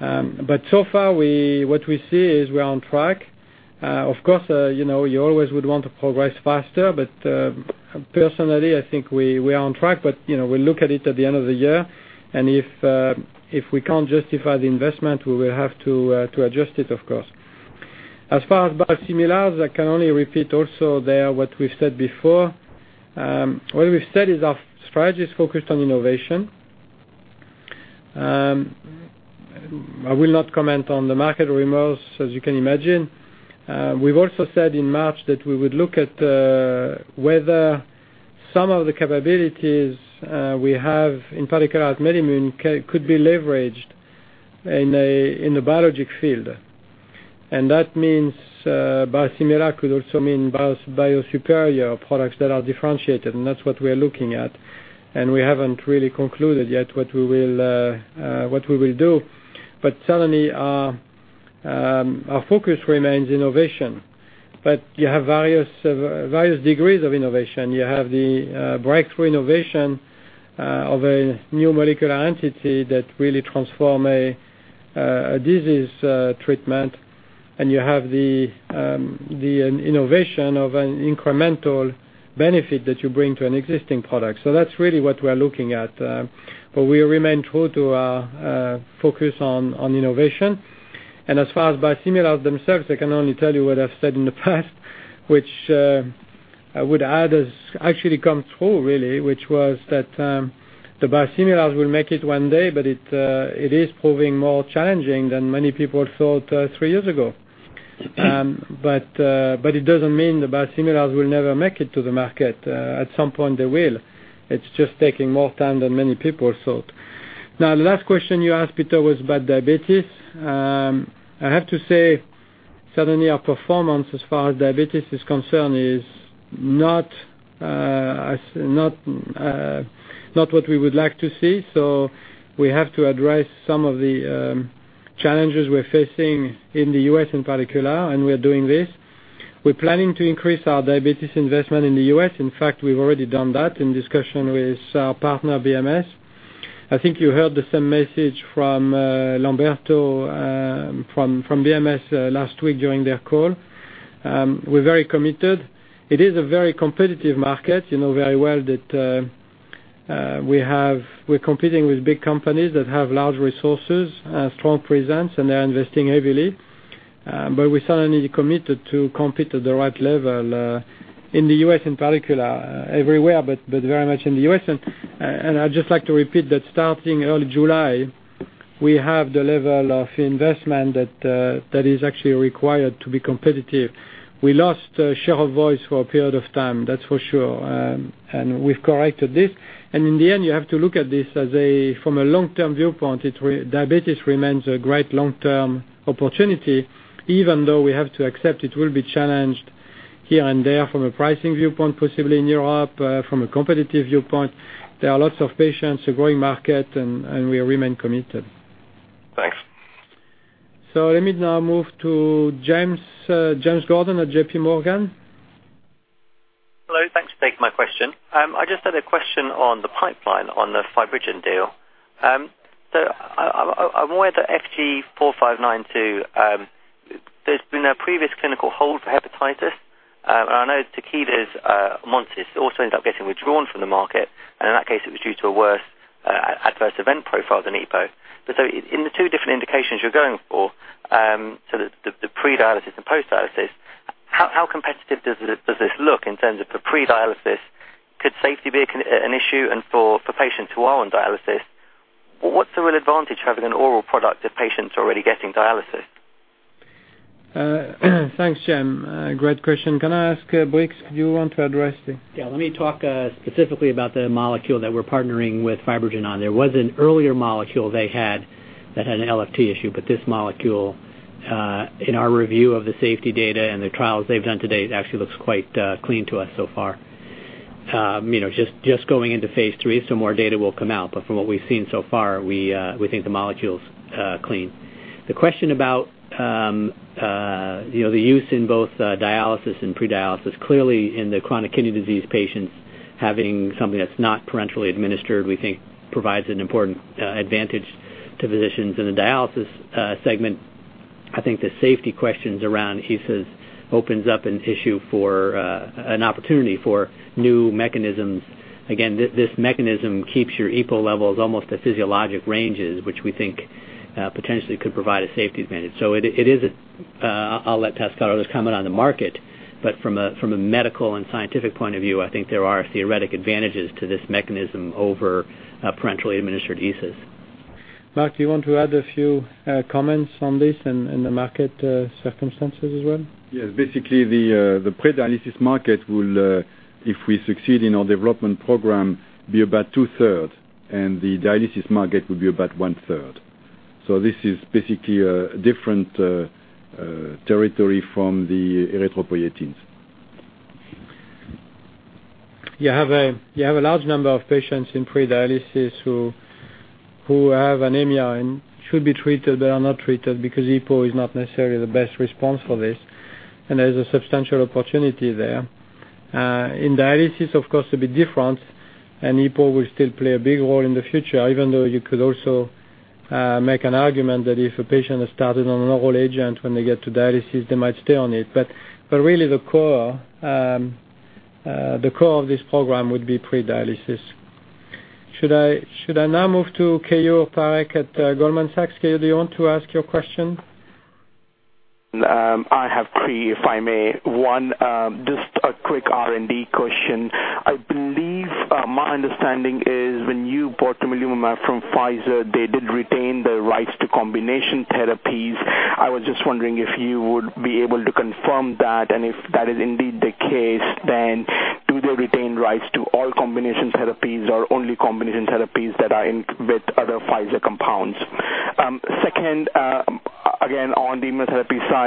So far, what we see is we're on track. Of course, you always would want to progress faster, personally, I think we are on track. We'll look at it at the end of the year, and if we can't justify the investment, we will have to adjust it, of course. As far as biosimilars, I can only repeat also there what we've said before. What we've said is our strategy is focused on innovation. I will not comment on the market rumors, as you can imagine. We've also said in March that we would look at whether some of the capabilities we have in particular at MedImmune could be leveraged in the biologic field. That means biosimilar could also mean biosuperior products that are differentiated, and that's what we're looking at. We haven't really concluded yet what we will do. Certainly, our focus remains innovation. You have various degrees of innovation. You have the breakthrough innovation of a new molecular entity that really transform a disease treatment, and you have the innovation of an incremental benefit that you bring to an existing product. That's really what we're looking at. We remain true to our focus on innovation. As far as biosimilars themselves, I can only tell you what I've said in the past, which I would add has actually come true, really, which was that the biosimilars will make it one day, but it is proving more challenging than many people thought three years ago. It doesn't mean the biosimilars will never make it to the market. At some point they will. It's just taking more time than many people thought. The last question you asked, Peter, was about diabetes. I have to say, suddenly our performance as far as diabetes is concerned is not what we would like to see. We have to address some of the challenges we're facing in the U.S. in particular, and we're doing this. We're planning to increase our diabetes investment in the U.S. In fact, we've already done that in discussion with our partner, BMS. I think you heard the same message from Lamberto from BMS last week during their call. We're very committed. It is a very competitive market. You know very well that we're competing with big companies that have large resources, strong presence, and they're investing heavily. We certainly committed to compete at the right level, in the U.S. in particular. Everywhere, but very much in the U.S. I'd just like to repeat that starting early July, we have the level of investment that is actually required to be competitive. We lost share of voice for a period of time, that's for sure. We've corrected this. In the end, you have to look at this from a long-term viewpoint. Diabetes remains a great long-term opportunity, even though we have to accept it will be challenged here and there from a pricing viewpoint, possibly in Europe, from a competitive viewpoint. There are lots of patients, a growing market, and we remain committed. Thanks. Let me now move to James Gordon at JPMorgan. Hello. Thanks for taking my question. I just had a question on the pipeline on the FibroGen deal. I'm aware that FG-4592, there's been a previous clinical hold for hepatitis. I know Takeda's Omontys also ended up getting withdrawn from the market, and in that case, it was due to a worse adverse event profile than EPO. In the two different indications you're going for, the pre-dialysis and post-dialysis, how competitive does this look in terms of the pre-dialysis? Could safety be an issue? For patients who are on dialysis, what's the real advantage of having an oral product if patients are already getting dialysis? Thanks, James. Great question. Can I ask, Briggs, do you want to address it? Yeah, let me talk specifically about the molecule that we're partnering with FibroGen on. There was an earlier molecule they had that had an LFT issue. This molecule, in our review of the safety data and the trials they've done to date, actually looks quite clean to us so far. Just going into phase III, more data will come out. From what we've seen so far, we think the molecule's clean. The question about the use in both dialysis and pre-dialysis. Clearly in the chronic kidney disease patients, having something that's not parenterally administered, we think provides an important advantage to physicians. In the dialysis segment, I think the safety questions around ESAs opens up an opportunity for new mechanisms. Again, this mechanism keeps your EPO levels almost at physiologic ranges, which we think potentially could provide a safety advantage. I'll let Pascal others comment on the market. From a medical and scientific point of view, I think there are theoretic advantages to this mechanism over parenterally administered ESAs. Marc, do you want to add a few comments on this and the market circumstances as well? Basically, the pre-dialysis market will, if we succeed in our development program, be about two-thirds, and the dialysis market will be about one-third. This is basically a different territory from the erythropoietins. You have a large number of patients in pre-dialysis who have anemia and should be treated but are not treated because EPO is not necessarily the best response for this. There's a substantial opportunity there. In dialysis, of course, it will be different, and EPO will still play a big role in the future, even though you could also make an argument that if a patient has started on an oral agent when they get to dialysis, they might stay on it. Really, the core of this program would be pre-dialysis. Should I now move to Keyur Parekh at Goldman Sachs? Keyur, do you want to ask your question? I have three, if I may. One, just a quick R&D question. I believe, my understanding is when you bought tremelimumab from Pfizer, they did retain the rights to combination therapies. I was just wondering if you would be able to confirm that, and if that is indeed the case, do they retain rights to all combination therapies or only combination therapies that are with other Pfizer compounds? Second, again, on the immunotherapy side,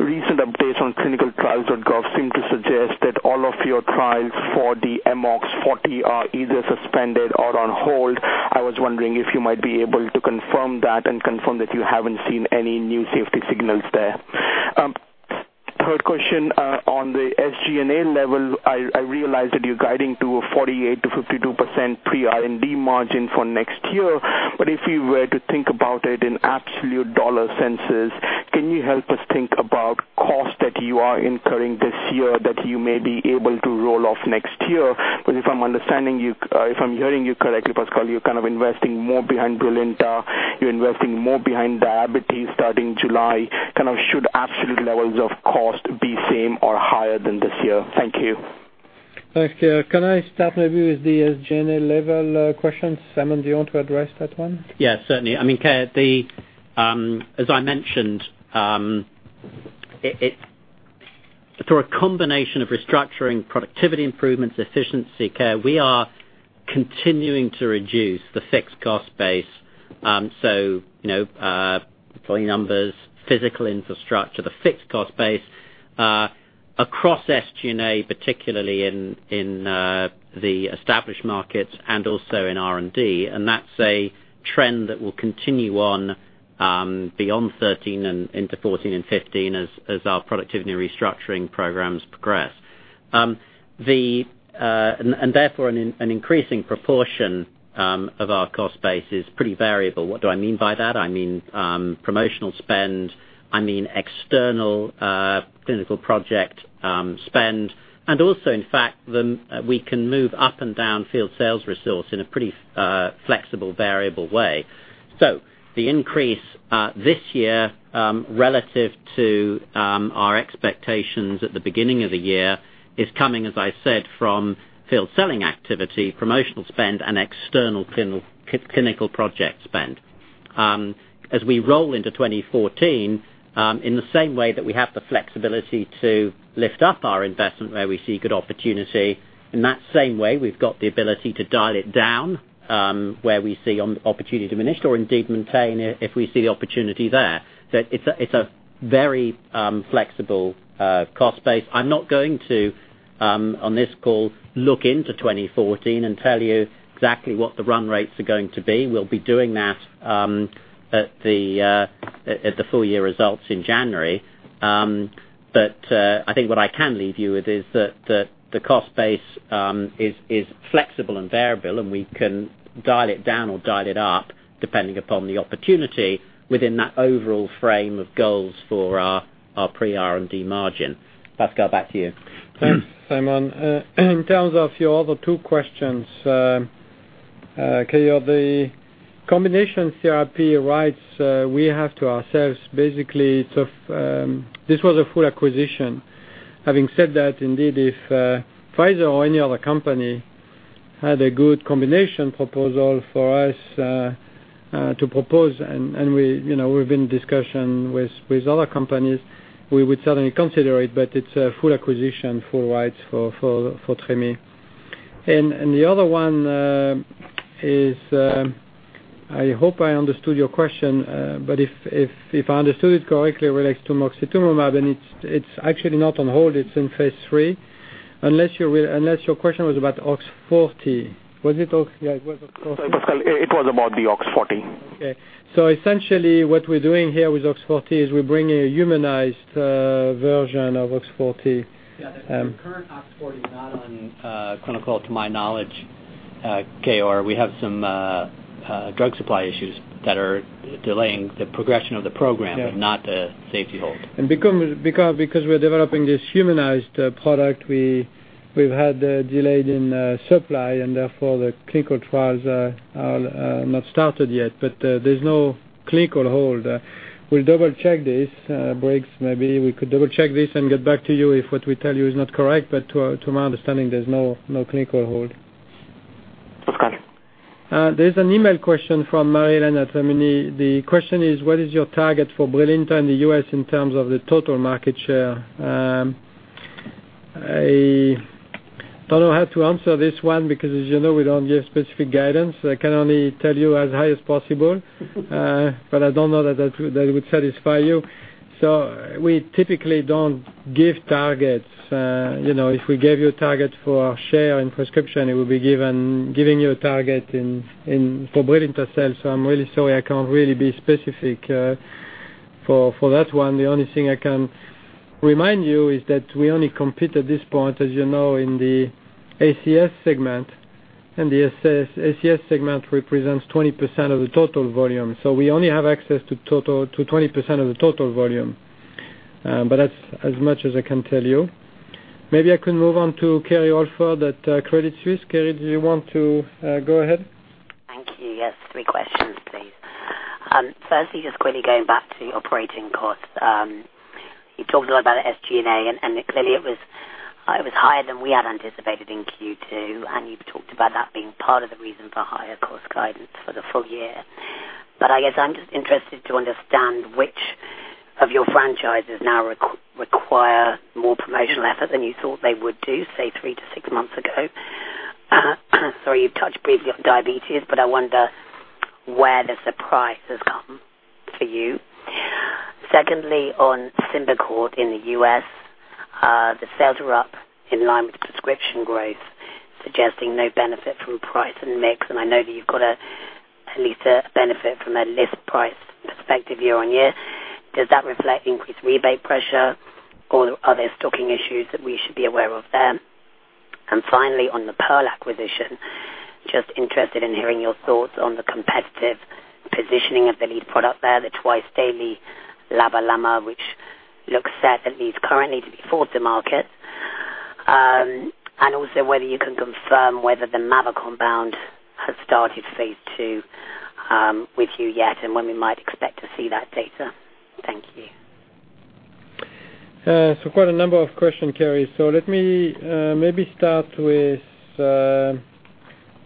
recent updates on clinicaltrials.gov seem to suggest that all of your trials for the OX40 are either suspended or on hold. I was wondering if you might be able to confirm that and confirm that you haven't seen any new safety signals there. Third question, on the SG&A level, I realize that you're guiding to a 48%-52% pre-R&D margin for next year. If you were to think about it in absolute dollar senses, can you help us think about cost that you are incurring this year that you may be able to roll off next year? Because if I'm hearing you correctly, Pascal, you're kind of investing more behind Brilinta, you're investing more behind diabetes starting July. Kind of should absolute levels of cost be same or higher than this year? Thank you. Thanks, Keyur. Can I start maybe with the SG&A level questions? Simon, do you want to address that one? Yes, certainly. Keyur, as I mentioned, through a combination of restructuring, productivity improvements, efficiency care, we are continuing to reduce the fixed cost base. Fully numbers, physical infrastructure, the fixed cost base, across SG&A, particularly in the established markets and also in R&D. That's a trend that will continue on, beyond 2013 and into 2014 and 2015 as our productivity restructuring programs progress. Therefore an increasing proportion of our cost base is pretty variable. What do I mean by that? I mean, promotional spend. I mean, external clinical project spend. Also, in fact, we can move up and down field sales resource in a pretty flexible variable way. The increase this year, relative to our expectations at the beginning of the year is coming, as I said, from field selling activity, promotional spend, and external clinical project spend. As we roll into 2014, in the same way that we have the flexibility to lift up our investment where we see good opportunity, in that same way, we've got the ability to dial it down, where we see opportunity diminish or indeed maintain if we see the opportunity there. It's a very flexible cost base. I'm not going to, on this call, look into 2014 and tell you exactly what the run rates are going to be. We'll be doing that at the full year results in January. I think what I can leave you with is that the cost base is flexible and variable, and we can dial it down or dial it up depending upon the opportunity within that overall frame of goals for our pre-R&D margin. Pascal, back to you. Thanks, Simon. In terms of your other two questions, Keyur, the combination CRP rights, we have to ourselves, basically, this was a full acquisition. Having said that, indeed, if Pfizer or any other company had a good combination proposal for us to propose, and we're in discussion with other companies, we would certainly consider it, but it's a full acquisition, full rights for Treme. The other one is, I hope I understood your question. If I understood it correctly with regards to moxetumomab, and it's actually not on hold, it's in phase III. Unless your question was about OX40. Yeah, it was OX40. It was about the OX40. Okay. Essentially what we're doing here with OX40 is we're bringing a humanized version of OX40. Yeah, the current OX40 is not on clinical to my knowledge, Keyur. Or we have some drug supply issues that are delaying the progression of the program. Yeah Not a safety hold. Because we're developing this humanized product, we've had delays in supply, and therefore the clinical trials are not started yet. There's no clinical hold. We'll double-check this. Briggs, maybe we could double-check this and get back to you if what we tell you is not correct, but to my understanding, there's no clinical hold. Okay. There's an email question from Mariella Nastri. The question is, "What is your target for Brilinta in the U.S. in terms of the total market share?" I don't know how to answer this one because as you know, we don't give specific guidance. I can only tell you as high as possible. I don't know that would satisfy you. We typically don't give targets. If we gave you a target for our share in prescription, it would be giving you a target for Brilinta sales. I'm really sorry, I can't really be specific. For that one, the only thing I can remind you is that we only compete at this point, as you know, in the ACS segment, and the ACS segment represents 20% of the total volume. We only have access to 20% of the total volume. That's as much as I can tell you. Maybe I could move on to Kerry Holford at Credit Suisse. Kerry, do you want to go ahead? Thank you. Yes, three questions, please. Firstly, just quickly going back to operating costs. You talked a lot about SG&A, and clearly it was higher than we had anticipated in Q2, and you've talked about that being part of the reason for higher cost guidance for the full year. I guess I'm just interested to understand which of your franchises now require more promotional effort than you thought they would do, say, three to six months ago. Sorry, you've touched briefly on diabetes, but I wonder where the surprise has come for you. Secondly, on SYMBICORT in the U.S., the sales are up in line with prescription growth, suggesting no benefit from price and mix, and I know that you've got at least a benefit from a list price perspective year-on-year. Does that reflect increased rebate pressure or are there stocking issues that we should be aware of there? Finally, on the Pearl acquisition, just interested in hearing your thoughts on the competitive positioning of the lead product there, the twice daily LABA/LAMA, which looks set at least currently to be fourth to market. Also whether you can confirm whether the MABA compound has started phase II with you yet, and when we might expect to see that data. Quite a number of questions, Kerry. Let me maybe start with a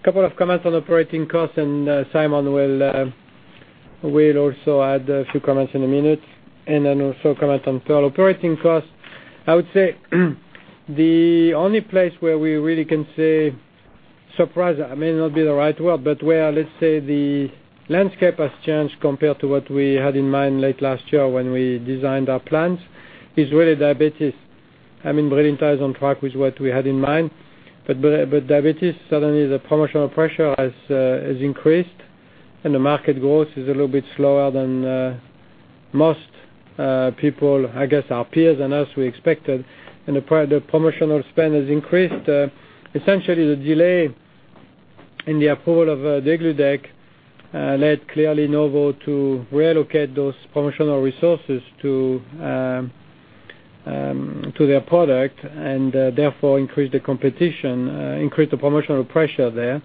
couple of comments on operating costs, and Simon will also add a few comments in a minute, and then also comment on Pearl operating costs. I would say the only place where we really can say, surprised may not be the right word, but where, let's say, the landscape has changed compared to what we had in mind late last year when we designed our plans, is really diabetes. Brilinta is on track with what we had in mind. Diabetes, suddenly the promotional pressure has increased, and the market growth is a little bit slower than most people, I guess our peers and us, we expected. The promotional spend has increased. Essentially, the delay in the approval of degludec led clearly Novo to relocate those promotional resources to their product, therefore increase the competition, increase the promotional pressure there.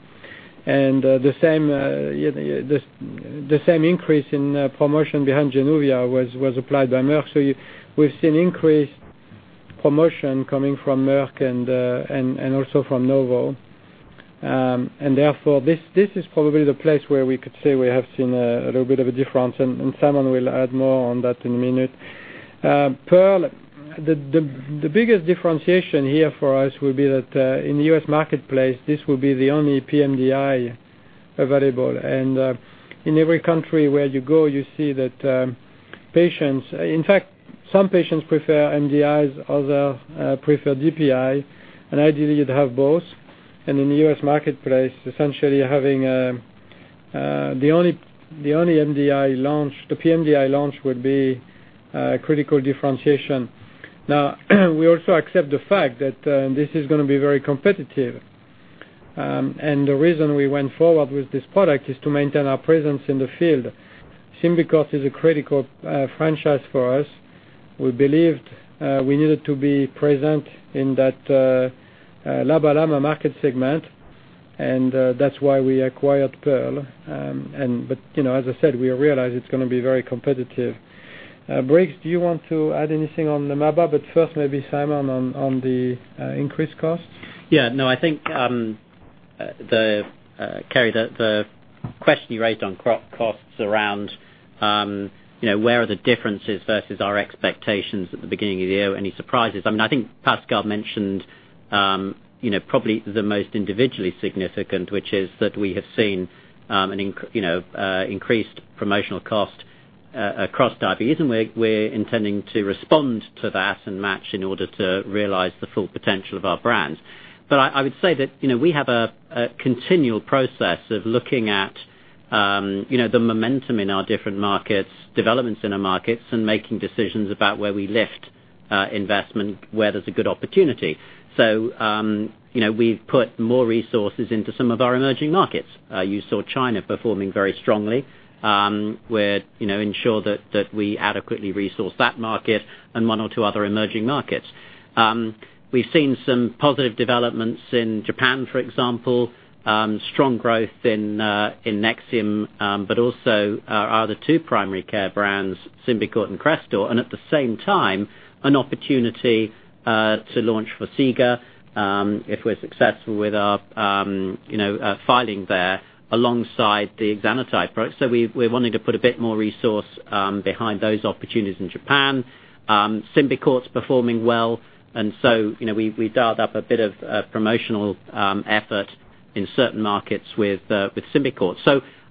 The same increase in promotion behind JANUVIA was applied by Merck. We've seen increased promotion coming from Merck and also from Novo. Therefore, this is probably the place where we could say we have seen a little bit of a difference, Simon will add more on that in a minute. Pearl, the biggest differentiation here for us will be that in the U.S. marketplace, this will be the only pMDI available. In every country where you go, you see that patients, in fact, some patients prefer MDIs, others prefer DPI, ideally you'd have both. In the U.S. marketplace, essentially having the only MDI launch, the pMDI launch, would be a critical differentiation. We also accept the fact that this is going to be very competitive. The reason we went forward with this product is to maintain our presence in the field. SYMBICORT is a critical franchise for us. We believed we needed to be present in that LABA/LAMA market segment, that's why we acquired Pearl. As I said, we realize it's going to be very competitive. Briggs, do you want to add anything on the LABA? First, maybe Simon on the increased cost. I think, Kerry, the question you raised on costs around where are the differences versus our expectations at the beginning of the year, any surprises. I think Pascal mentioned probably the most individually significant, which is that we have seen an increased promotional cost across diabetes, we're intending to respond to that and match in order to realize the full potential of our brands. I would say that we have a continual process of looking at the momentum in our different markets, developments in our markets, making decisions about where we lift investment, where there's a good opportunity. We've put more resources into some of our emerging markets. You saw China performing very strongly, where we ensure that we adequately resource that market and one or two other emerging markets. We've seen some positive developments in Japan, for example, strong growth in NEXIUM, our other two primary care brands, SYMBICORT and CRESTOR, at the same time, an opportunity to launch FORXIGA, if we're successful with our filing there alongside the exenatide product. We're wanting to put a bit more resource behind those opportunities in Japan. SYMBICORT's performing well, we dialed up a bit of promotional effort in certain markets with SYMBICORT.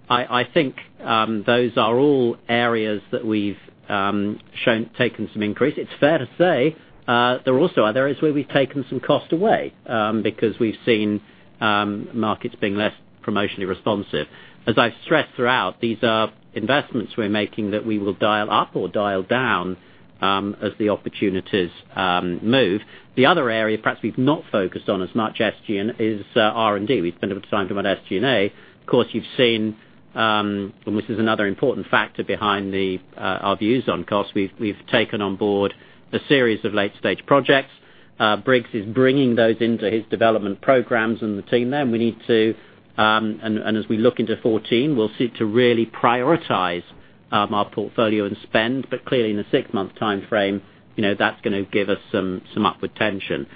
I think those are all areas that we've taken some increase. It's fair to say there also are areas where we've taken some cost away because we've seen markets being less promotionally responsive. As I've stressed throughout, these are investments we're making that we will dial up or dial down as the opportunities move. The other area perhaps we've not focused on as much as SG&A is R&D. We've spent a bit of time talking about SG&A. You've seen, and this is another important factor behind our views on costs, we've taken on board a series of late-stage projects. Briggs is bringing those into his development programs and the team there. As we look into 2014, we'll seek to really prioritize our portfolio and spend. Clearly in the 6-month timeframe, that's going to give us some upward tension.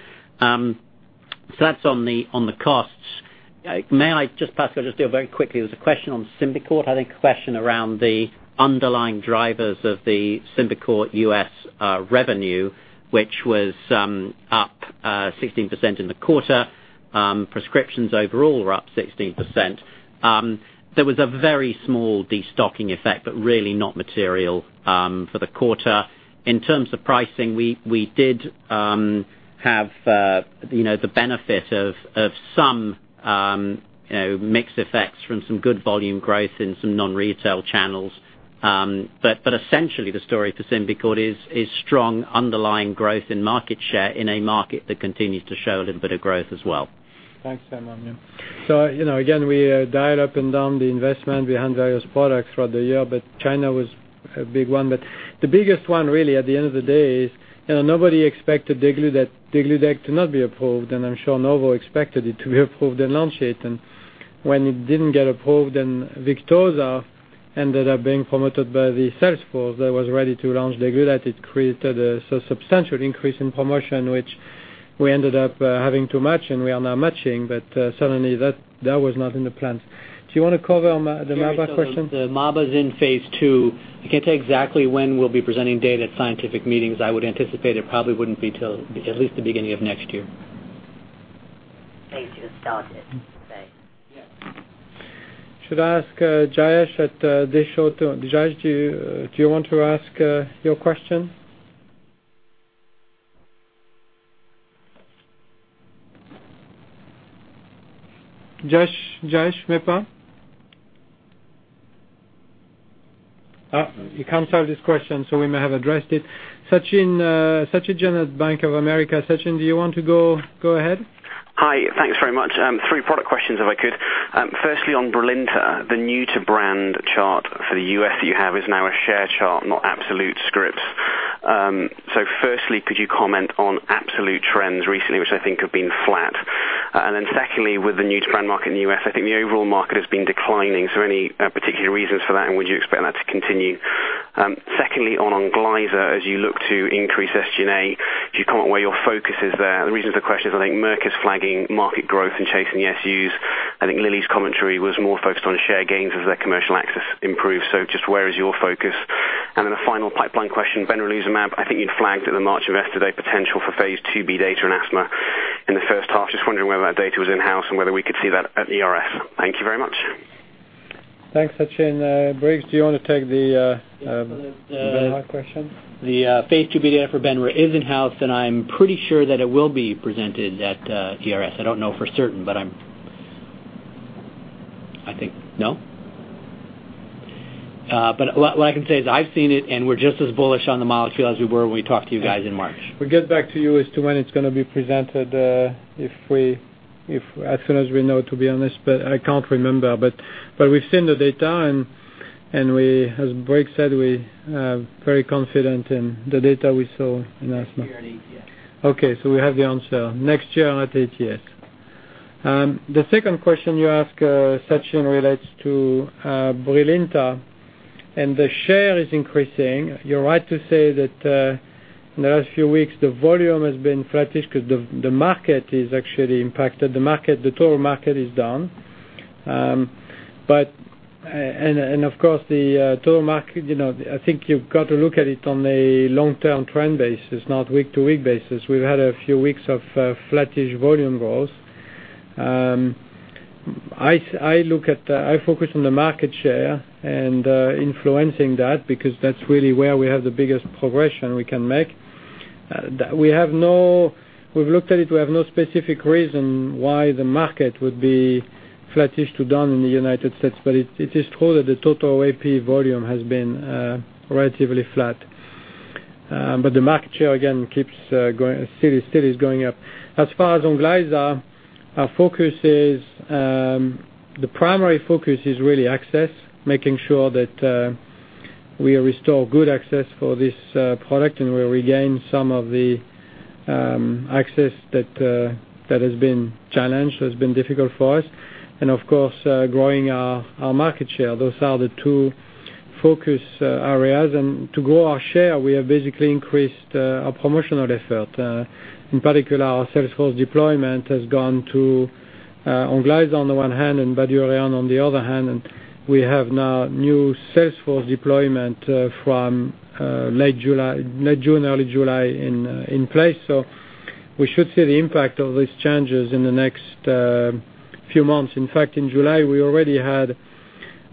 That's on the costs. May I just, Pascal Soriot, just very quickly, there was a question on SYMBICORT, I think a question around the underlying drivers of the SYMBICORT U.S. revenue, which was up 16% in the quarter. Prescriptions overall were up 16%. There was a very small de-stocking effect, but really not material for the quarter. In terms of pricing, we did have the benefit of some mix effects from some good volume growth in some non-retail channels. Essentially the story for SYMBICORT is strong underlying growth in market share in a market that continues to show a little bit of growth as well. Thanks, Simon. Yeah. Again, we dialed up and down the investment behind various products throughout the year, China was a big one. The biggest one really at the end of the day is, nobody expected degludec to not be approved, I'm sure Novo expected it to be approved and launch it. When it didn't get approved, Victoza ended up being promoted by the sales force that was ready to launch degludec. It created a substantial increase in promotion, which we ended up having to match, we are now matching. Suddenly, that was not in the plans. Do you want to cover the MABA question? Sure. The MABA's in phase II. I can't say exactly when we'll be presenting data at scientific meetings. I would anticipate it probably wouldn't be until at least the beginning of next year. Phase II started, you say? Yes. Should I ask Jayesh, do you want to ask your question? Jayesh Manek? He canceled his question, so we may have addressed it. Sachin Jain at Bank of America. Sachin, do you want to go ahead? Hi. Thanks very much. 3 product questions if I could. Firstly, on Brilinta, the new-to-brand chart for the U.S. that you have is now a share chart, not absolute scripts. Firstly, could you comment on absolute trends recently, which I think have been flat? Secondly, with the new-to-brand market in the U.S., I think the overall market has been declining. Any particular reasons for that, and would you expect that to continue? Secondly, on ONGLYZA, as you look to increase SG&A, could you comment where your focus is there? The reason for the question is I think Merck is flagging market growth and chasing the SUs. I think Lilly's commentary was more focused on share gains as their commercial access improves. Just where is your focus? A final pipeline question. benralizumab, I think you'd flagged at the March investor day potential for phase II-B data in asthma in the first half. Just wondering whether that data was in-house and whether we could see that at ERS. Thank you very much. Thanks, Sachin. Briggs, do you want to take the benra question? The phase II-B data for benra is in-house, I'm pretty sure that it will be presented at ERS. I don't know for certain, but I think. No? What I can say is I've seen it, and we're just as bullish on the molecule as we were when we talked to you guys in March. We'll get back to you as to when it's going to be presented, as soon as we know, to be honest, but I can't remember. We've seen the data, and as Briggs said, we are very confident in the data we saw in asthma. Next year at ATS. Okay, we have the answer. Next year at ATS. The second question you ask, Sachin, relates to Brilinta, the share is increasing. You're right to say that in the last few weeks, the volume has been flattish because the market is actually impacted. The total market is down. Of course, the total market, I think you've got to look at it on a long-term trend basis, not week-to-week basis. We've had a few weeks of flattish volume growth. I focus on the market share and influencing that because that's really where we have the biggest progression we can make. We've looked at it. We have no specific reason why the market would be flattish to down in the U.S., but it is true that the total ACS volume has been relatively flat. The market share, again, still is going up. As far as Onglyza, the primary focus is really access, making sure that we restore good access for this product, we regain some of the access that has been challenged, has been difficult for us, of course, growing our market share. Those are the two focus areas. To grow our share, we have basically increased our promotional effort. In particular, our sales force deployment has gone to Onglyza on the one hand and BYDUREON on the other hand, we have now new sales force deployment from late June, early July in place. We should see the impact of these changes in the next few months. In fact, in July, we already had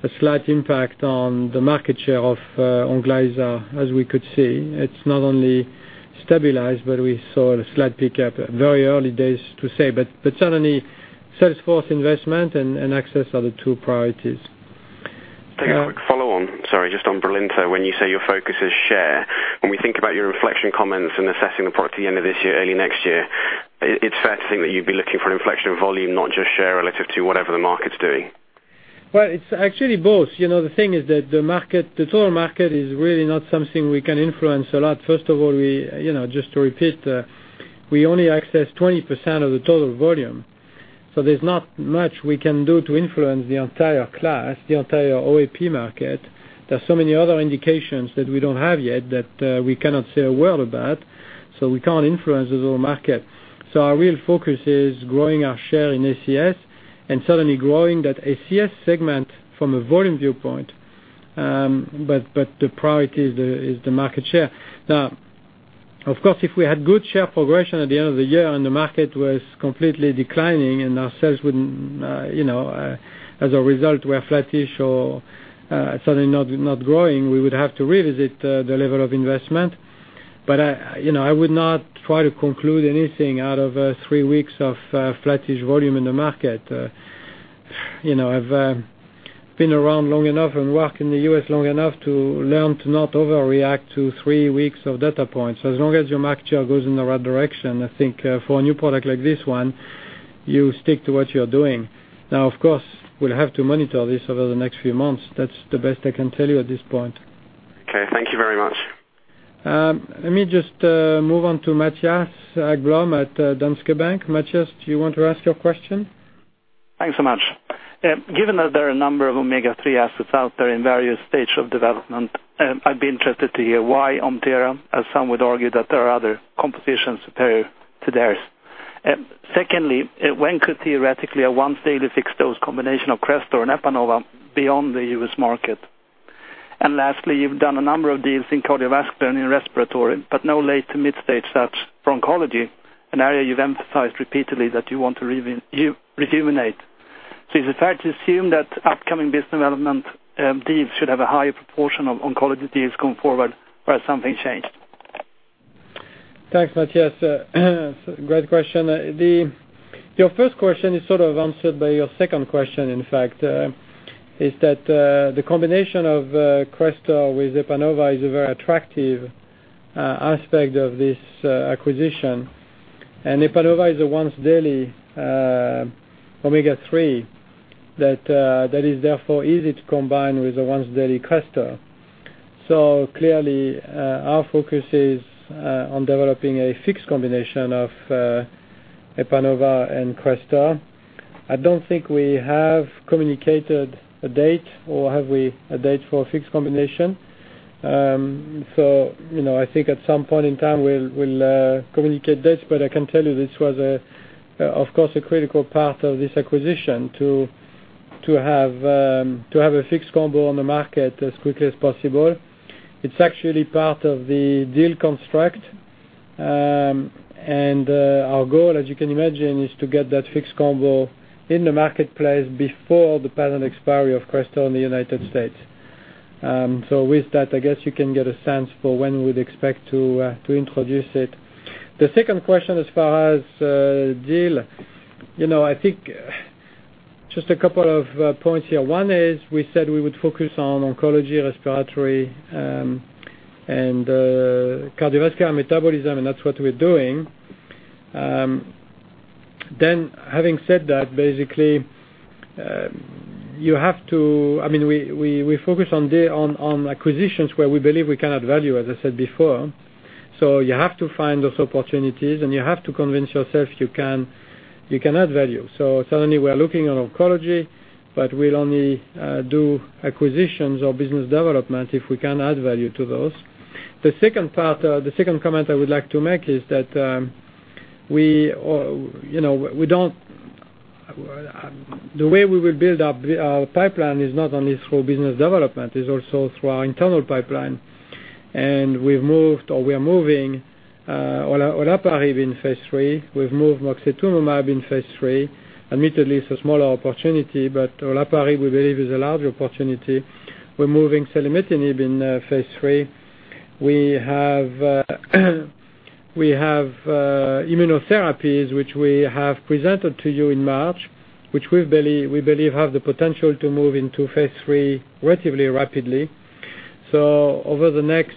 a slight impact on the market share of Onglyza, as we could see. It's not only stabilized, but we saw a slight pickup. Very early days to say, but certainly, sales force investment and access are the two priorities. Can I take a quick follow-on, sorry, just on Brilinta. When you say your focus is share, when we think about your reflection comments and assessing the product at the end of this year, early next year, it's fair to think that you'd be looking for an inflection of volume, not just share relative to whatever the market's doing. Well, it's actually both. The thing is that the total market is really not something we can influence a lot. First of all, just to repeat, we only access 20% of the total volume. There's not much we can do to influence the entire class, the entire OAP market. There are so many other indications that we don't have yet that we cannot say a word about, we can't influence the total market. Our real focus is growing our share in ACS and certainly growing that ACS segment from a volume viewpoint, but the priority is the market share. Now, of course, if we had good share progression at the end of the year and the market was completely declining and our sales, as a result, were flattish or suddenly not growing, we would have to revisit the level of investment. I would not try to conclude anything out of three weeks of flattish volume in the market. I've been around long enough and worked in the U.S. long enough to learn to not overreact to three weeks of data points. As long as your market share goes in the right direction, I think for a new product like this one, you stick to what you're doing. Now, of course, we'll have to monitor this over the next few months. That's the best I can tell you at this point. Okay. Thank you very much. Let me just move on to Mathias Blom at Danske Bank. Mathias, do you want to ask your question? Thanks so much. Given that there are a number of omega-3 assets out there in various stages of development, I'd be interested to hear why Omthera, as some would argue that there are other compositions superior to theirs. Secondly, when could, theoretically, a once-daily fixed dose combination of CRESTOR and EPANOVA beyond the U.S. market? Lastly, you've done a number of deals in cardiovascular and in respiratory, but no late to mid-stage in oncology, an area you've emphasized repeatedly that you want to rejuvenate. Is it fair to assume that upcoming business development deals should have a higher proportion of oncology deals going forward, or has something changed? Thanks, Mathias. Great question. Your first question is sort of answered by your second question, in fact, is that the combination of CRESTOR with EPANOVA is a very attractive aspect of this acquisition. EPANOVA is a once daily omega-3 that is therefore easy to combine with the once daily CRESTOR. Clearly, our focus is on developing a fixed combination of EPANOVA and CRESTOR. I don't think we have communicated a date, or have we, a date for a fixed combination. I think at some point in time, we'll communicate dates, but I can tell you this was, of course, a critical part of this acquisition to have a fixed combo on the market as quickly as possible. It's actually part of the deal construct. Our goal, as you can imagine, is to get that fixed combo in the marketplace before the patent expiry of CRESTOR in the U.S. With that, I guess you can get a sense for when we'd expect to introduce it. The second question as far as deal, I think just a couple of points here. One is we said we would focus on oncology, respiratory, and cardiovascular metabolism. That's what we're doing. Having said that, basically, we focus on acquisitions where we believe we can add value, as I said before. You have to find those opportunities, and you have to convince yourself you can add value. Certainly, we're looking at oncology, but we'll only do acquisitions or business development if we can add value to those. The second comment I would like to make is that the way we will build our pipeline is not only through business development, is also through our internal pipeline. We've moved or we're moving olaparib in phase III. We've moved moxetumomab in phase III. Admittedly, it's a smaller opportunity. Olaparib, we believe, is a larger opportunity. We're moving selumetinib in phase III. We have immunotherapies which we have presented to you in March, which we believe have the potential to move into phase III relatively rapidly. Over the next,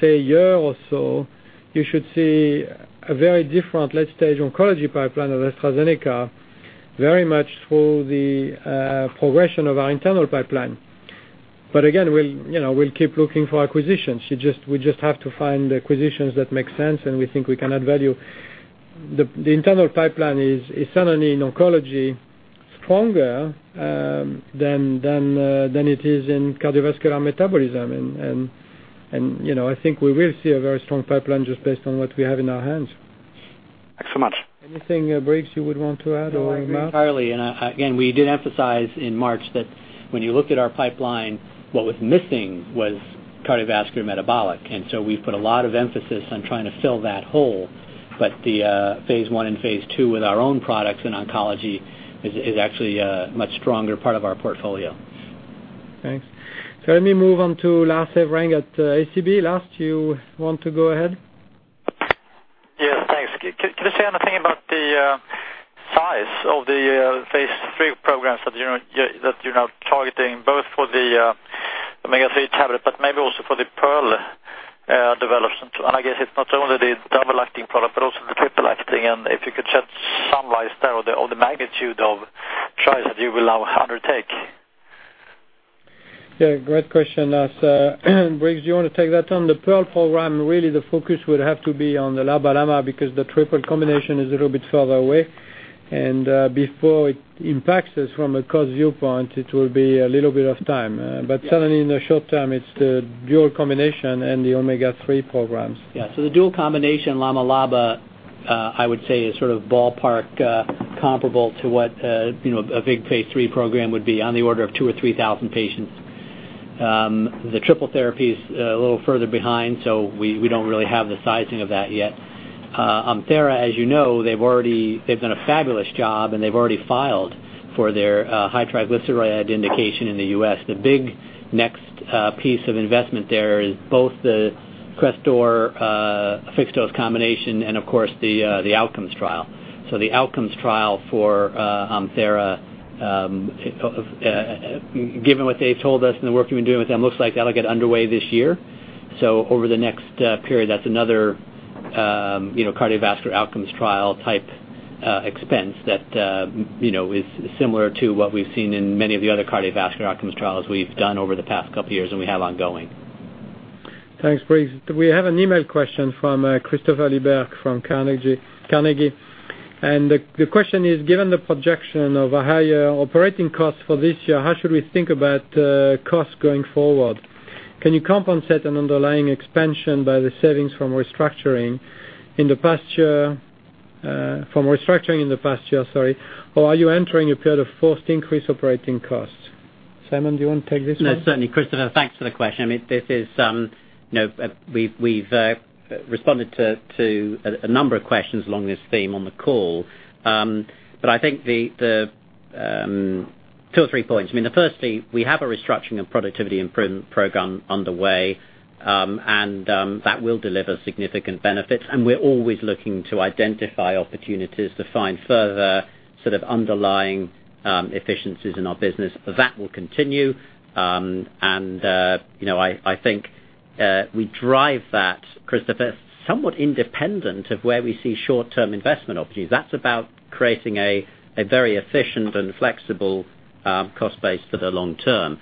say, year or so, you should see a very different late-stage oncology pipeline at AstraZeneca, very much through the progression of our internal pipeline. Again, we'll keep looking for acquisitions. We just have to find acquisitions that make sense and we think we can add value. The internal pipeline is certainly in oncology, stronger than it is in cardiovascular metabolism. I think we will see a very strong pipeline just based on what we have in our hands. Thanks so much. Anything, Briggs, you would want to add or Matt? No, I agree entirely. Again, we did emphasize in March that when you looked at our pipeline, what was missing was cardiovascular metabolic. We've put a lot of emphasis on trying to fill that hole. The phase I and phase II with our own products in oncology is actually a much stronger part of our portfolio. Thanks. Let me move on to Lars Evrang at ABG Sundal Collier. Lars, do you want to go ahead? Yes, thanks. Can you say anything about the size of the phase III programs that you're now targeting, both for the omega-3 tablet, but maybe also for the Pearl development? I guess it's not only the double-acting product, but also the triple acting. If you could shed some light there on the magnitude of trials that you will now undertake. Yeah, great question, Lars. Briggs, do you want to take that on? The Pearl program, really the focus would have to be on the LABA/LAMA because the triple combination is a little bit further away. Before it impacts us from a cost viewpoint, it will be a little bit of time. Certainly in the short term, it's the dual combination and the omega-3 programs. Yeah. The dual combination LABA/LAMA, I would say is sort of ballpark comparable to what a big phase III program would be on the order of 2,000 or 3,000 patients. The triple therapy is a little further behind, so we don't really have the sizing of that yet. Omthera, as you know, they've done a fabulous job, and they've already filed for their high triglyceride indication in the U.S. The big next piece of investment there is both the CRESTOR fixed dose combination and, of course, the outcomes trial. The outcomes trial for Omthera, given what they've told us and the work we've been doing with them, looks like that'll get underway this year. Over the next period, that's another cardiovascular outcomes trial type expense that is similar to what we've seen in many of the other cardiovascular outcomes trials we've done over the past couple of years, and we have ongoing. Thanks, Briggs. We have an email question from Christopher Lyrhem from Carnegie. The question is, given the projection of a higher operating cost for this year, how should we think about cost going forward? Can you compensate an underlying expansion by the savings from restructuring in the past year, sorry, or are you entering a period of forced increased operating costs? Simon, do you want to take this one? No, certainly, Christopher. Thanks for the question. We've responded to a number of questions along this theme on the call. I think two or three points. Firstly, we have a restructuring and productivity improvement program underway, and that will deliver significant benefits, and we're always looking to identify opportunities to find further sort of underlying efficiencies in our business. That will continue. I think we drive that, Christopher, somewhat independent of where we see short-term investment opportunities. That's about creating a very efficient and flexible cost base for the long term.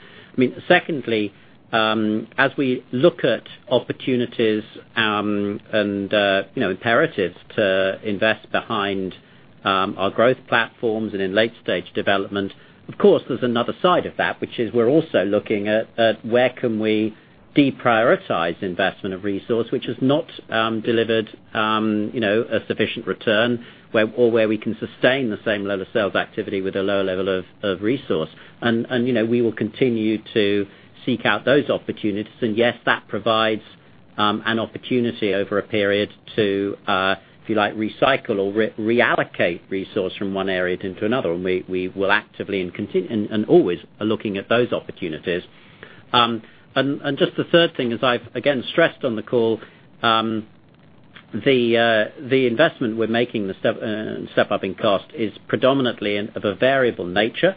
Secondly, as we look at opportunities and imperatives to invest behind our growth platforms and in late-stage development, of course, there's another side of that, which is we're also looking at where can we deprioritize investment of resource, which has not delivered a sufficient return or where we can sustain the same level of sales activity with a lower level of resource. We will continue to seek out those opportunities. Yes, that provides an opportunity over a period to, if you like, recycle or reallocate resource from one area into another. We will actively and always are looking at those opportunities. Just the third thing is I've, again, stressed on the call, the investment we're making, the step-up in cost is predominantly of a variable nature.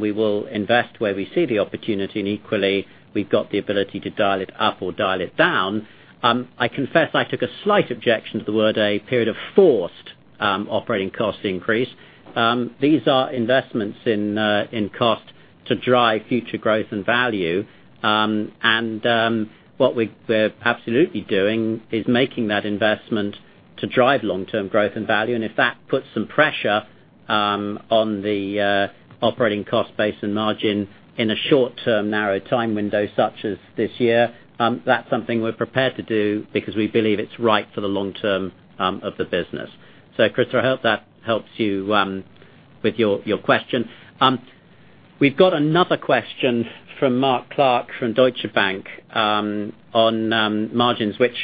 We will invest where we see the opportunity, equally, we've got the ability to dial it up or dial it down. I confess I took a slight objection to the word a period of forced operating cost increase. These are investments in cost to drive future growth and value. What we're absolutely doing is making that investment to drive long-term growth and value, and if that puts some pressure on the operating cost base and margin in a short-term narrow time window, such as this year, that's something we're prepared to do because we believe it's right for the long term of the business. Christopher, I hope that helps you with your question. We've got another question from Mark Clark from Deutsche Bank on margins, which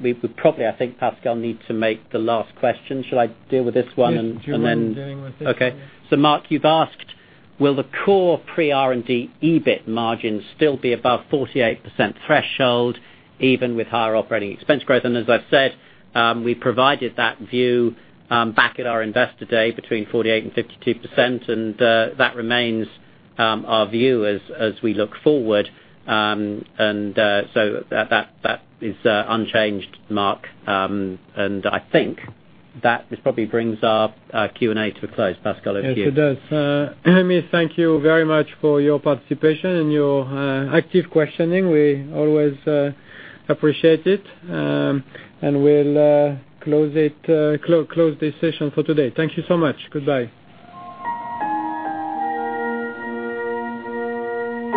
we would probably, I think, Pascal, need to make the last question. Should I deal with this one and then? Yes. Do you mind doing with this one? Okay. Mark, you've asked, will the core pre-R&D EBIT margin still be above 48% threshold even with higher operating expense growth? As I've said, we provided that view back at our Investor Day between 48% and 52%, and that remains our view as we look forward. That is unchanged, Mark. I think that this probably brings our Q&A to a close. Pascal, over to you. Yes, it does. Thank you very much for your participation and your active questioning. We always appreciate it. We'll close this session for today. Thank you so much. Goodbye.